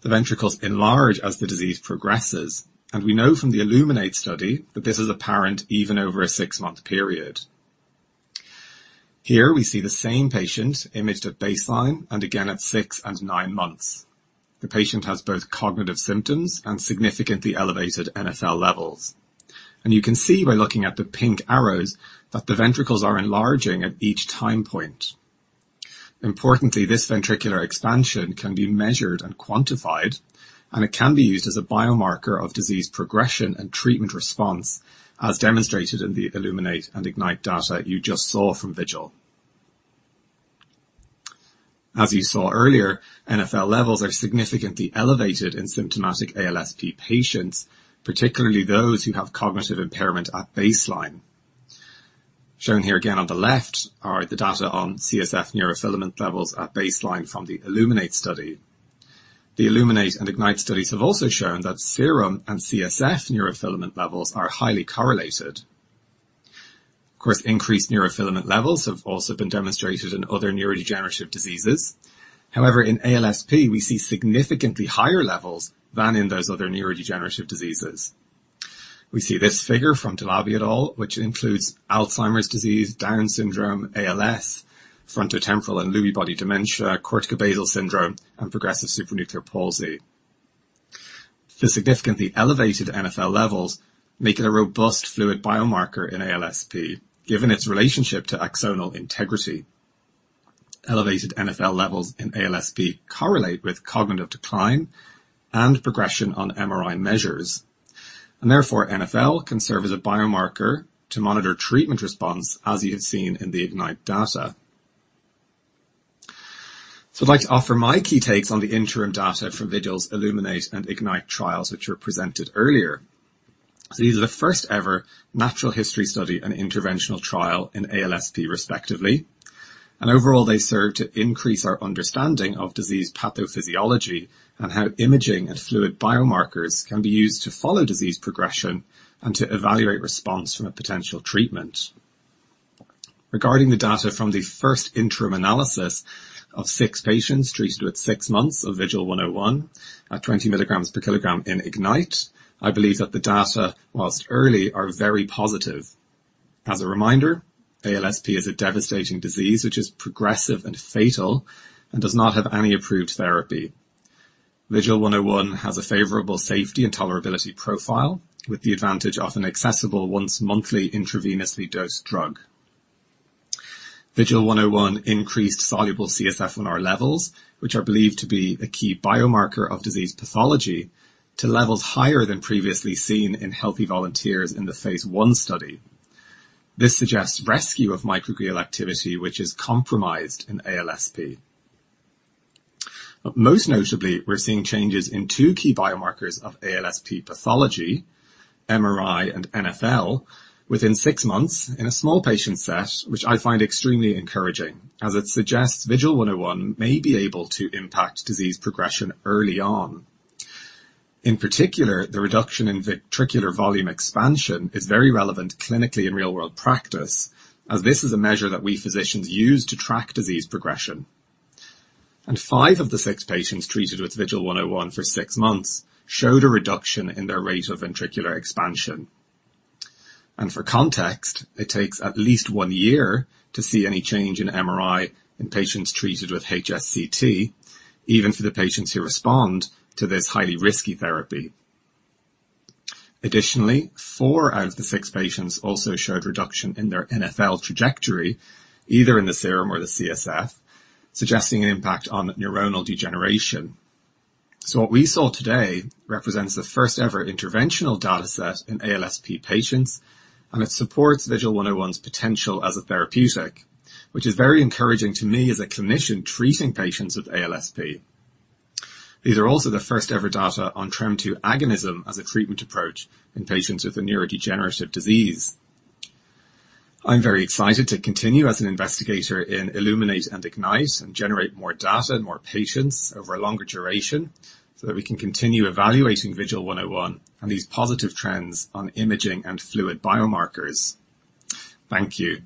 S5: The ventricles enlarge as the disease progresses, and we know from the ILLUMINATE study that this is apparent even over a six-month period. Here we see the same patient imaged at baseline and again at six and nine months. The patient has both cognitive symptoms and significantly elevated NfL levels. You can see by looking at the pink arrows, that the ventricles are enlarging at each time point.... Importantly, this ventricular expansion can be measured and quantified, and it can be used as a biomarker of disease progression and treatment response, as demonstrated in the ILLUMINATE and IGNITE data you just saw from VGL. As you saw earlier, NfL levels are significantly elevated in symptomatic ALSP patients, particularly those who have cognitive impairment at baseline. Shown here again on the left are the data on CSF neurofilament levels at baseline from the ILLUMINATE study. The ILLUMINATE and IGNITE studies have also shown that serum and CSF neurofilament levels are highly correlated. Of course, increased neurofilament levels have also been demonstrated in other neurodegenerative diseases. However, in ALSP, we see significantly higher levels than in those other neurodegenerative diseases. We see this figure from Delaby et al., which includes Alzheimer's disease, Down syndrome, ALS, frontotemporal and Lewy body dementia, corticobasal syndrome, and progressive supranuclear palsy. The significantly elevated NfL levels make it a robust fluid biomarker in ALSP, given its relationship to axonal integrity. Elevated NfL levels in ALSP correlate with cognitive decline and progression on MRI measures, and therefore, NfL can serve as a biomarker to monitor treatment response, as you have seen in the IGNITE data. So I'd like to offer my key takes on the interim data from Vigil's ILLUMINATE and IGNITE trials, which were presented earlier. So these are the first-ever natural history study and interventional trial in ALSP, respectively. And overall, they serve to increase our understanding of disease pathophysiology and how imaging and fluid biomarkers can be used to follow disease progression and to evaluate response from a potential treatment. Regarding the data from the first interim analysis of six patients treated with six months of VGL101 at 20 mg/kg in IGNITE, I believe that the data, while early, are very positive. As a reminder, ALSP is a devastating disease which is progressive and fatal and does not have any approved therapy. VGL101 has a favorable safety and tolerability profile, with the advantage of an accessible once-monthly intravenously dosed drug. VGL101 increased soluble CSF1R levels, which are believed to be a key biomarker of disease pathology, to levels higher than previously seen in healthy volunteers in the phase I study. This suggests rescue of microglial activity, which is compromised in ALSP. Most notably, we're seeing changes in two key biomarkers of ALSP pathology, MRI and NfL, within six months in a small patient set, which I find extremely encouraging, as it suggests VGL101 may be able to impact disease progression early on. In particular, the reduction in ventricular volume expansion is very relevant clinically in real-world practice, as this is a measure that we physicians use to track disease progression. Five of the six patients treated with VGL101 for six months showed a reduction in their rate of ventricular expansion. For context, it takes at least one year to see any change in MRI in patients treated with HSCT, even for the patients who respond to this highly risky therapy. Additionally, four out of the six patients also showed reduction in their NfL trajectory, either in the serum or the CSF, suggesting an impact on neuronal degeneration. So what we saw today represents the first-ever interventional data set in ALSP patients, and it supports VGL101's potential as a therapeutic, which is very encouraging to me as a clinician treating patients with ALSP. These are also the first-ever data on TREM2 agonist as a treatment approach in patients with a neurodegenerative disease. I'm very excited to continue as an investigator in ILLUMINATE and IGNITE and generate more data and more patients over a longer duration, so that we can continue evaluating VGL101 and these positive trends on imaging and fluid biomarkers. Thank you,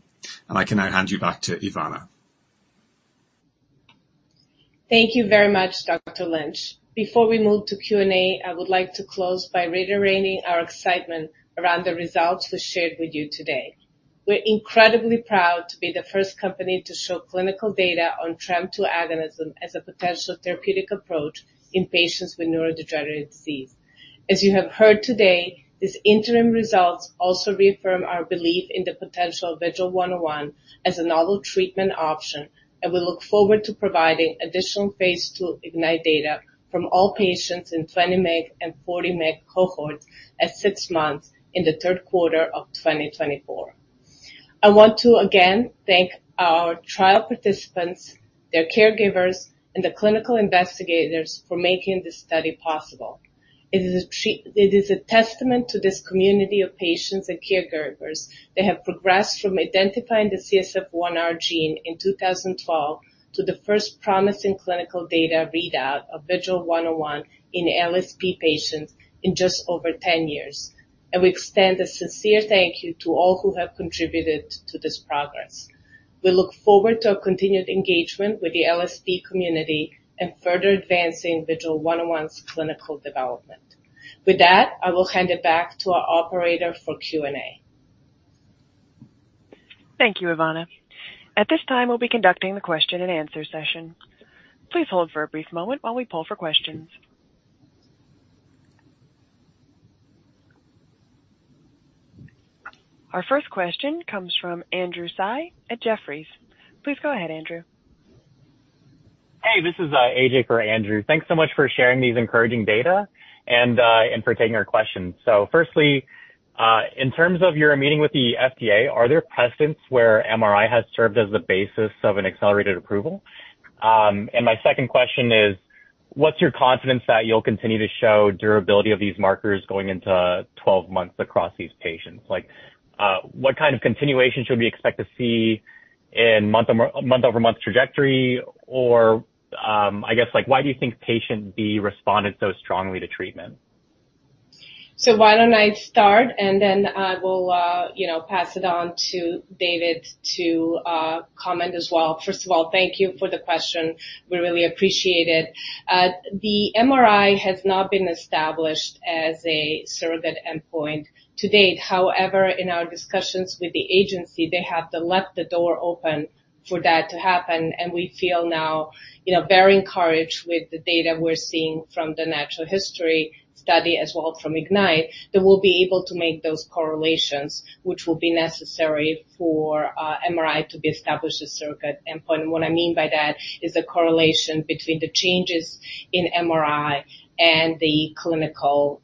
S5: and I can now hand you back to Ivana.
S3: Thank you very much, Dr. Lynch. Before we move to Q&A, I would like to close by reiterating our excitement around the results we shared with you today. We're incredibly proud to be the first company to show clinical data on TREM2 agonist as a potential therapeutic approach in patients with neurodegenerative disease. As you have heard today, these interim results also reaffirm our belief in the potential of VGL101 as a novel treatment option, and we look forward to providing additional Phase 2 IGNITE data from all patients in 20 mg and 40 mg cohorts at six months in the third quarter of 2024. I want to again thank our trial participants, their caregivers, and the clinical investigators for making this study possible. It is a testament to this community of patients and caregivers that have progressed from identifying the CSF1R gene in 2012 to the first promising clinical data readout of VGL101 in ALSP patients in just over 10 years. We extend a sincere thank you to all who have contributed to this progress. We look forward to our continued engagement with the ALSP community and further advancing VGL101's clinical development. With that, I will hand it back to our operator for Q&A.
S1: Thank you, Ivana. At this time, we'll be conducting the question and answer session. Please hold for a brief moment while we poll for questions.... Our first question comes from Andrew Tsai at Jefferies. Please go ahead, Andrew.
S6: Hey, this is AJ for Andrew. Thanks so much for sharing these encouraging data and for taking our questions. So firstly, in terms of your meeting with the FDA, are there precedents where MRI has served as the basis of an accelerated approval? And my second question is: What's your confidence that you'll continue to show durability of these markers going into 12 months across these patients? Like, what kind of continuation should we expect to see in month-over-month trajectory, or, I guess, like, why do you think patient B responded so strongly to treatment?
S3: Why don't I start, and then I will, you know, pass it on to David to comment as well. First of all, thank you for the question. We really appreciate it. The MRI has not been established as a surrogate endpoint to date. However, in our discussions with the agency, they have left the door open for that to happen, and we feel now, you know, very encouraged with the data we're seeing from the natural history study as well from IGNITE, that we'll be able to make those correlations, which will be necessary for, MRI to be established as surrogate endpoint. And what I mean by that is the correlation between the changes in MRI and the clinical,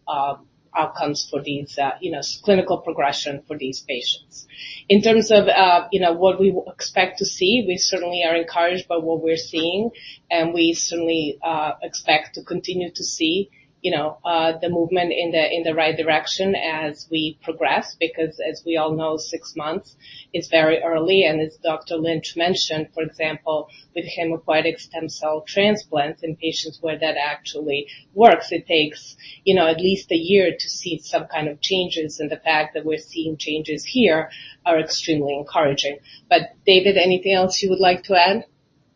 S3: outcomes for these, you know, clinical progression for these patients. In terms of, you know, what we expect to see, we certainly are encouraged by what we're seeing, and we certainly expect to continue to see, you know, the movement in the, in the right direction as we progress, because as we all know, six months is very early, and as Dr. Lynch mentioned, for example, with hematopoietic stem cell transplant in patients where that actually works, it takes, you know, at least a year to see some kind of changes, and the fact that we're seeing changes here are extremely encouraging. But, David, anything else you would like to add?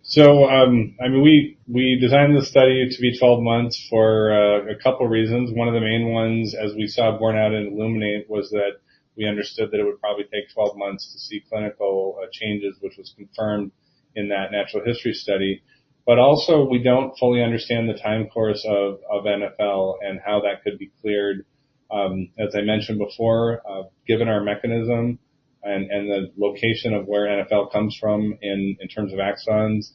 S4: So, I mean, we designed the study to be 12 months for a couple reasons. One of the main ones, as we saw borne out in ILLUMINATE, was that we understood that it would probably take 12 months to see clinical changes, which was confirmed in that natural history study. But also, we don't fully understand the time course of NfL and how that could be cleared. As I mentioned before, given our mechanism and the location of where NfL comes from in terms of axons,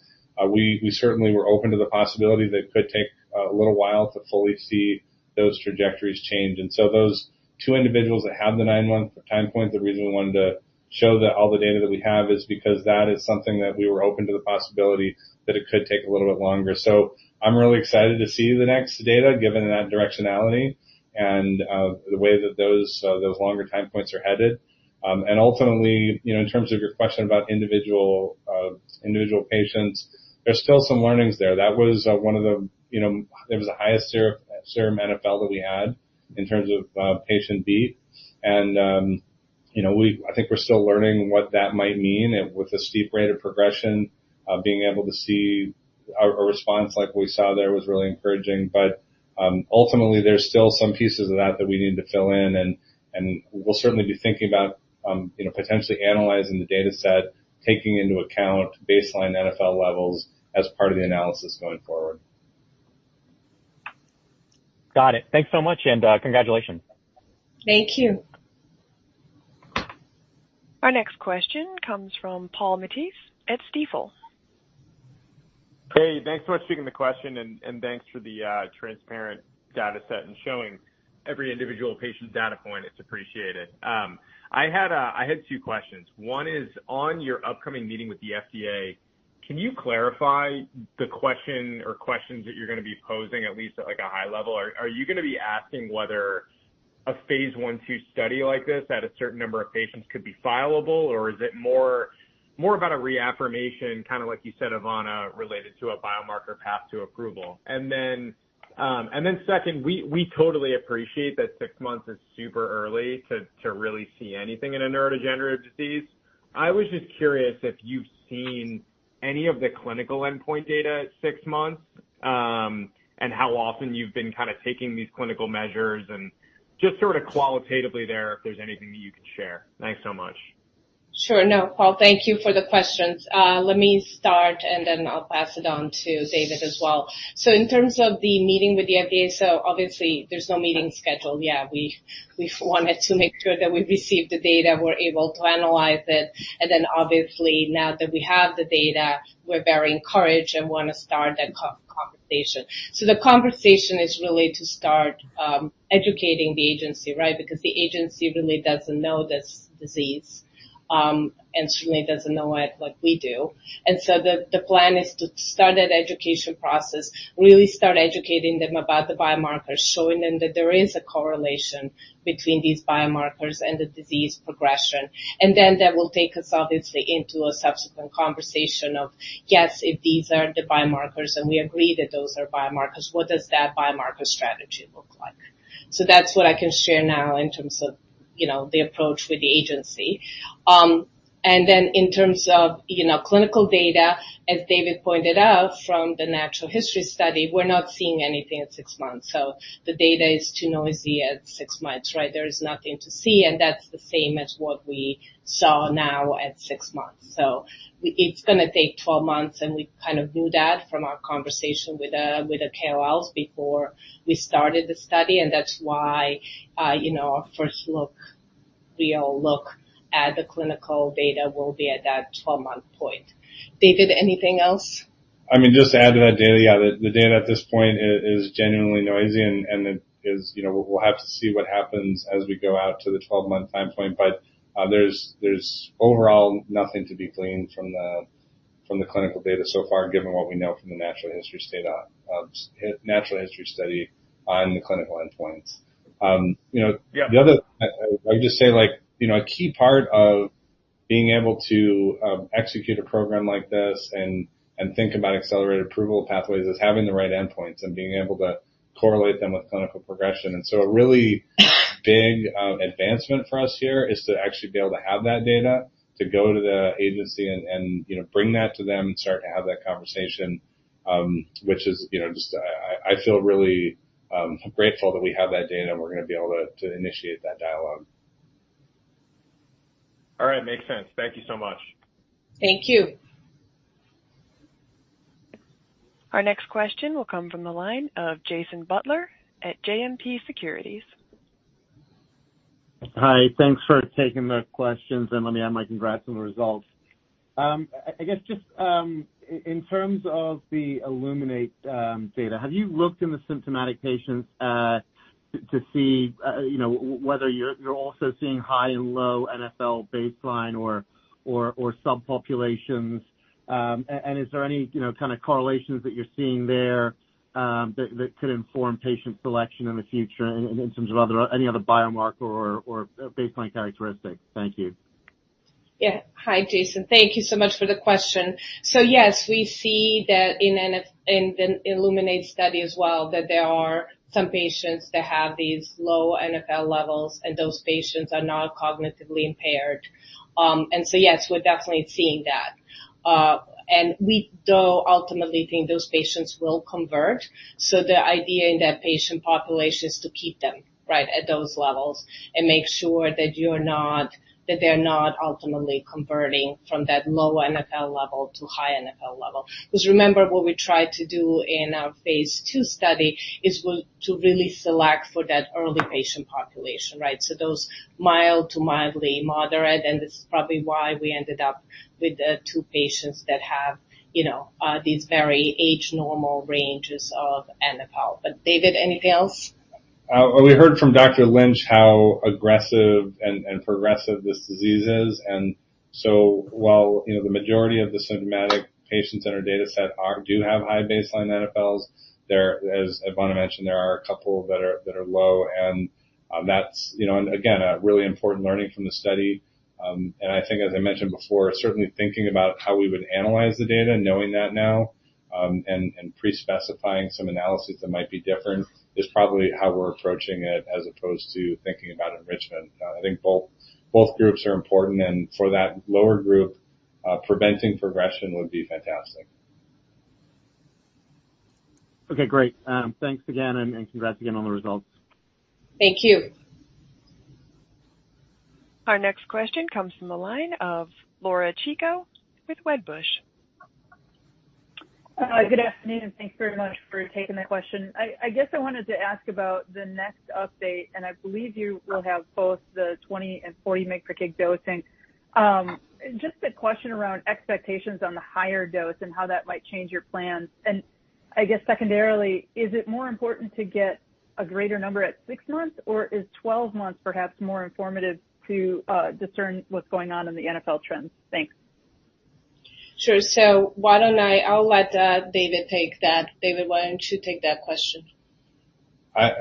S4: we certainly were open to the possibility that it could take a little while to fully see those trajectories change. Those two individuals that have the nine-month time point, the reason we wanted to show that all the data that we have is because that is something that we were open to the possibility that it could take a little bit longer. So I'm really excited to see the next data, given that directionality and the way that those longer time points are headed. And ultimately, you know, in terms of your question about individual patients, there's still some learnings there. That was one of the, you know, it was the highest serum NfL that we had in terms of patient B. And you know, I think we're still learning what that might mean with a steep rate of progression, being able to see a response like we saw there was really encouraging. But, ultimately, there's still some pieces of that that we need to fill in, and we'll certainly be thinking about, you know, potentially analyzing the dataset, taking into account baseline NfL levels as part of the analysis going forward.
S6: Got it. Thanks so much, and, congratulations.
S3: Thank you.
S1: Our next question comes from Paul Matteis at Stifel.
S7: Hey, thanks so much for taking the question, and thanks for the transparent data set and showing every individual patient's data point. It's appreciated. I had two questions. One is, on your upcoming meeting with the FDA, can you clarify the question or questions that you're going to be posing, at least at, like, a high level? Are you going to be asking whether a phase I or II study like this, at a certain number of patients could be fileable, or is it more about a reaffirmation, kind of like you said, Ivana, related to a biomarker path to approval? And then second, we totally appreciate that six months is super early to really see anything in a neurodegenerative disease. I was just curious if you've seen any of the clinical endpoint data at six months, and how often you've been kind of taking these clinical measures, and just sort of qualitatively there, if there's anything that you can share. Thanks so much.
S3: Sure. No, Paul, thank you for the questions. Let me start, and then I'll pass it on to David as well. So in terms of the meeting with the FDA, so obviously there's no meeting scheduled. Yeah, we, we wanted to make sure that we received the data, we're able to analyze it, and then obviously, now that we have the data, we're very encouraged and want to start that conversation. So the conversation is really to start educating the agency, right? Because the agency really doesn't know this disease, and certainly doesn't know it like we do. And so the plan is to start that education process, really start educating them about the biomarkers, showing them that there is a correlation between these biomarkers and the disease progression. Then that will take us, obviously, into a subsequent conversation of: Yes, if these are the biomarkers, and we agree that those are biomarkers, what does that biomarker strategy look like? So that's what I can share now in terms of, you know, the approach with the agency. And then in terms of, you know, clinical data, as David pointed out from the natural history study, we're not seeing anything at six months. So the data is too noisy at six months, right? There is nothing to see, and that's the same as what we saw now at six months. So it's gonna take 12 months, and we kind of knew that from our conversation with the KOLs before we started the study, and that's why, you know, our real look at the clinical data will be at that 12-month point. David, anything else?
S4: I mean, just to add to that data, yeah, the data at this point is genuinely noisy, and it is, you know, we'll have to see what happens as we go out to the 12-month time point. But, there's overall nothing to be gleaned from the clinical data so far, given what we know from the natural history study on the clinical endpoints. You know-
S7: Yeah.
S4: I'll just say, like, you know, a key part of being able to execute a program like this and think about accelerated approval pathways is having the right endpoints and being able to correlate them with clinical progression. And so a really big advancement for us here is to actually be able to have that data, to go to the agency and you know, bring that to them and start to have that conversation, which is, you know, just I feel really grateful that we have that data, and we're going to be able to initiate that dialogue.
S7: All right. Makes sense. Thank you so much.
S3: Thank you.
S1: Our next question will come from the line of Jason Butler at JMP Securities.
S8: Hi. Thanks for taking the questions, and let me add my congrats on the results. I guess just in terms of the ILLUMINATE data, have you looked in the symptomatic patients to see, you know, whether you're also seeing high and low NfL baseline or subpopulations? And is there any, you know, kind of correlations that you're seeing there, that could inform patient selection in the future in terms of other... any other biomarker or baseline characteristics? Thank you.
S3: Yeah. Hi, Jason. Thank you so much for the question. So, yes, we see that in NfL in the ILLUMINATE study as well, that there are some patients that have these low NfL levels, and those patients are not cognitively impaired. And so, yes, we're definitely seeing that. And we, though, ultimately think those patients will convert, so the idea in that patient population is to keep them, right, at those levels and make sure that you're not, that they're not ultimately converting from that low NfL level to high NfL level. Because remember, what we tried to do in our phase ii study is to really select for that early patient population, right? So those mild to mildly moderate, and this is probably why we ended up with the two patients that have, you know, these very age-normal ranges of NfL. But, David, anything else?
S4: We heard from Dr. Lynch how aggressive and progressive this disease is. So while, you know, the majority of the symptomatic patients in our dataset do have high baseline NfLs, there, as Ivana mentioned, there are a couple that are low, and that's, you know, and again, a really important learning from the study. And I think as I mentioned before, certainly thinking about how we would analyze the data, knowing that now, and pre-specifying some analysis that might be different, is probably how we're approaching it, as opposed to thinking about enrichment. I think both groups are important, and for that lower group, preventing progression would be fantastic.
S8: Okay, great. Thanks again, and, and congrats again on the results.
S3: Thank you.
S1: Our next question comes from the line of Laura Chico with Wedbush.
S9: Hi, good afternoon, and thanks very much for taking the question. I, I guess I wanted to ask about the next update, and I believe you will have both the 20 and 40 mg /kg dosing. Just a question around expectations on the higher dose and how that might change your plans. And I guess secondarily, is it more important to get a greater number at 6 months, or is 12 months perhaps more informative to discern what's going on in the NfL trends? Thanks.
S3: Sure. So why don't I... I'll let, David take that. David, why don't you take that question?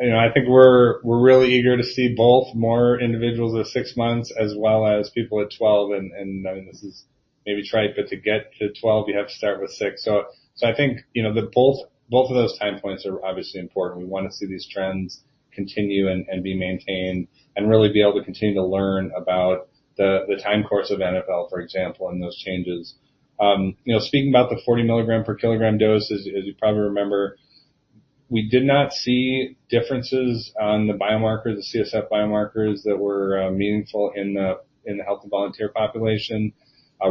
S4: You know, I think we're really eager to see both more individuals at 6 months as well as people at 12, and I mean, this is maybe trite, but to get to 12, you have to start with six. So I think, you know, both of those time points are obviously important. We want to see these trends continue and be maintained and really be able to continue to learn about the time course of NfL, for example, and those changes. You know, speaking about the 40 mg/kg dose, as you probably remember, we did not see differences on the biomarker, the CSF biomarkers that were meaningful in the healthy volunteer population.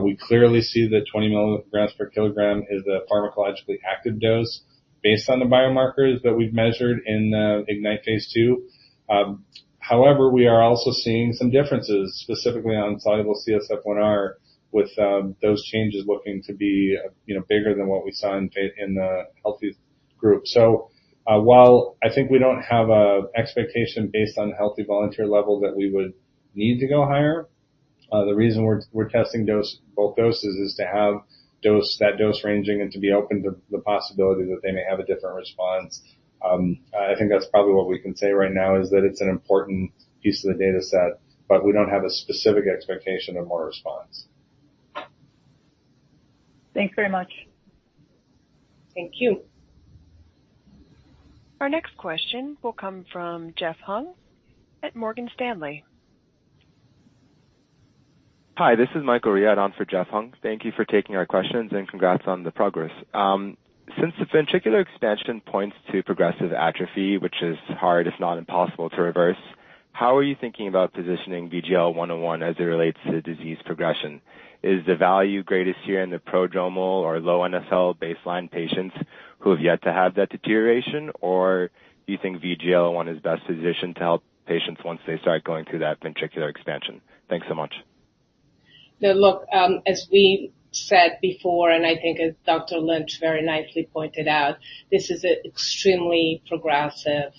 S4: We clearly see that 20 mg/kg is a pharmacologically active dose based on the biomarkers that we've measured in the IGNITE Phase 2. However, we are also seeing some differences, specifically on soluble CSF1R, with those changes looking to be, you know, bigger than what we saw in the healthy group. So, while I think we don't have a expectation based on healthy volunteer level that we would need to go higher, the reason we're, we're testing dose, both doses is to have dose, that dose ranging and to be open to the possibility that they may have a different response. I think that's probably what we can say right now, is that it's an important piece of the dataset, but we don't have a specific expectation of more response.
S9: Thanks very much.
S3: Thank you.
S1: Our next question will come from Jeff Hung at Morgan Stanley.
S10: Hi, this is Michael Riad on for Jeff Hung. Thank you for taking our questions, and congrats on the progress. Since the ventricular expansion points to progressive atrophy, which is hard, if not impossible, to reverse, how are you thinking about positioning VGL101 as it relates to disease progression? Is the value greatest here in the prodromal or low NfL baseline patients who have yet to have that deterioration, or do you think VGL101 is best positioned to help patients once they start going through that ventricular expansion? Thanks so much.
S3: Yeah, look, as we said before, and I think as Dr. Lynch very nicely pointed out, this is an extremely progressive,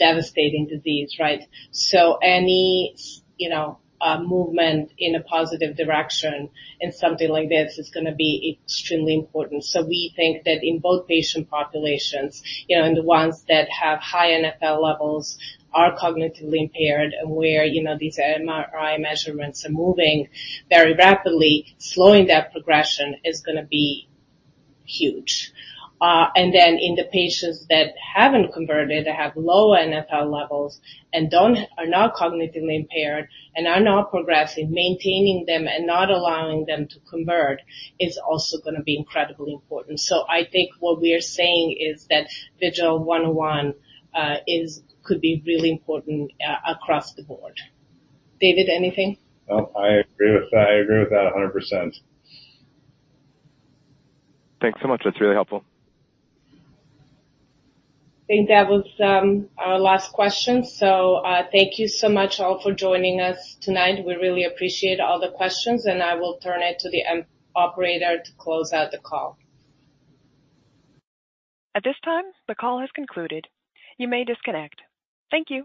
S3: devastating disease, right? So any you know, movement in a positive direction in something like this is gonna be extremely important. So we think that in both patient populations, you know, and the ones that have high NfL levels, are cognitively impaired, and where, you know, these MRI measurements are moving very rapidly, slowing that progression is gonna be huge. And then in the patients that haven't converted, that have low NfL levels and are not cognitively impaired and are not progressing, maintaining them and not allowing them to convert is also gonna be incredibly important. So I think what we are saying is that VGL101 is could be really important, across the board. David, anything?
S4: No, I agree with that. I agree with that 100%.
S10: Thanks so much. That's really helpful.
S3: I think that was our last question. So, thank you so much all for joining us tonight. We really appreciate all the questions, and I will turn it to the operator to close out the call.
S1: At this time, the call has concluded. You may disconnect. Thank you.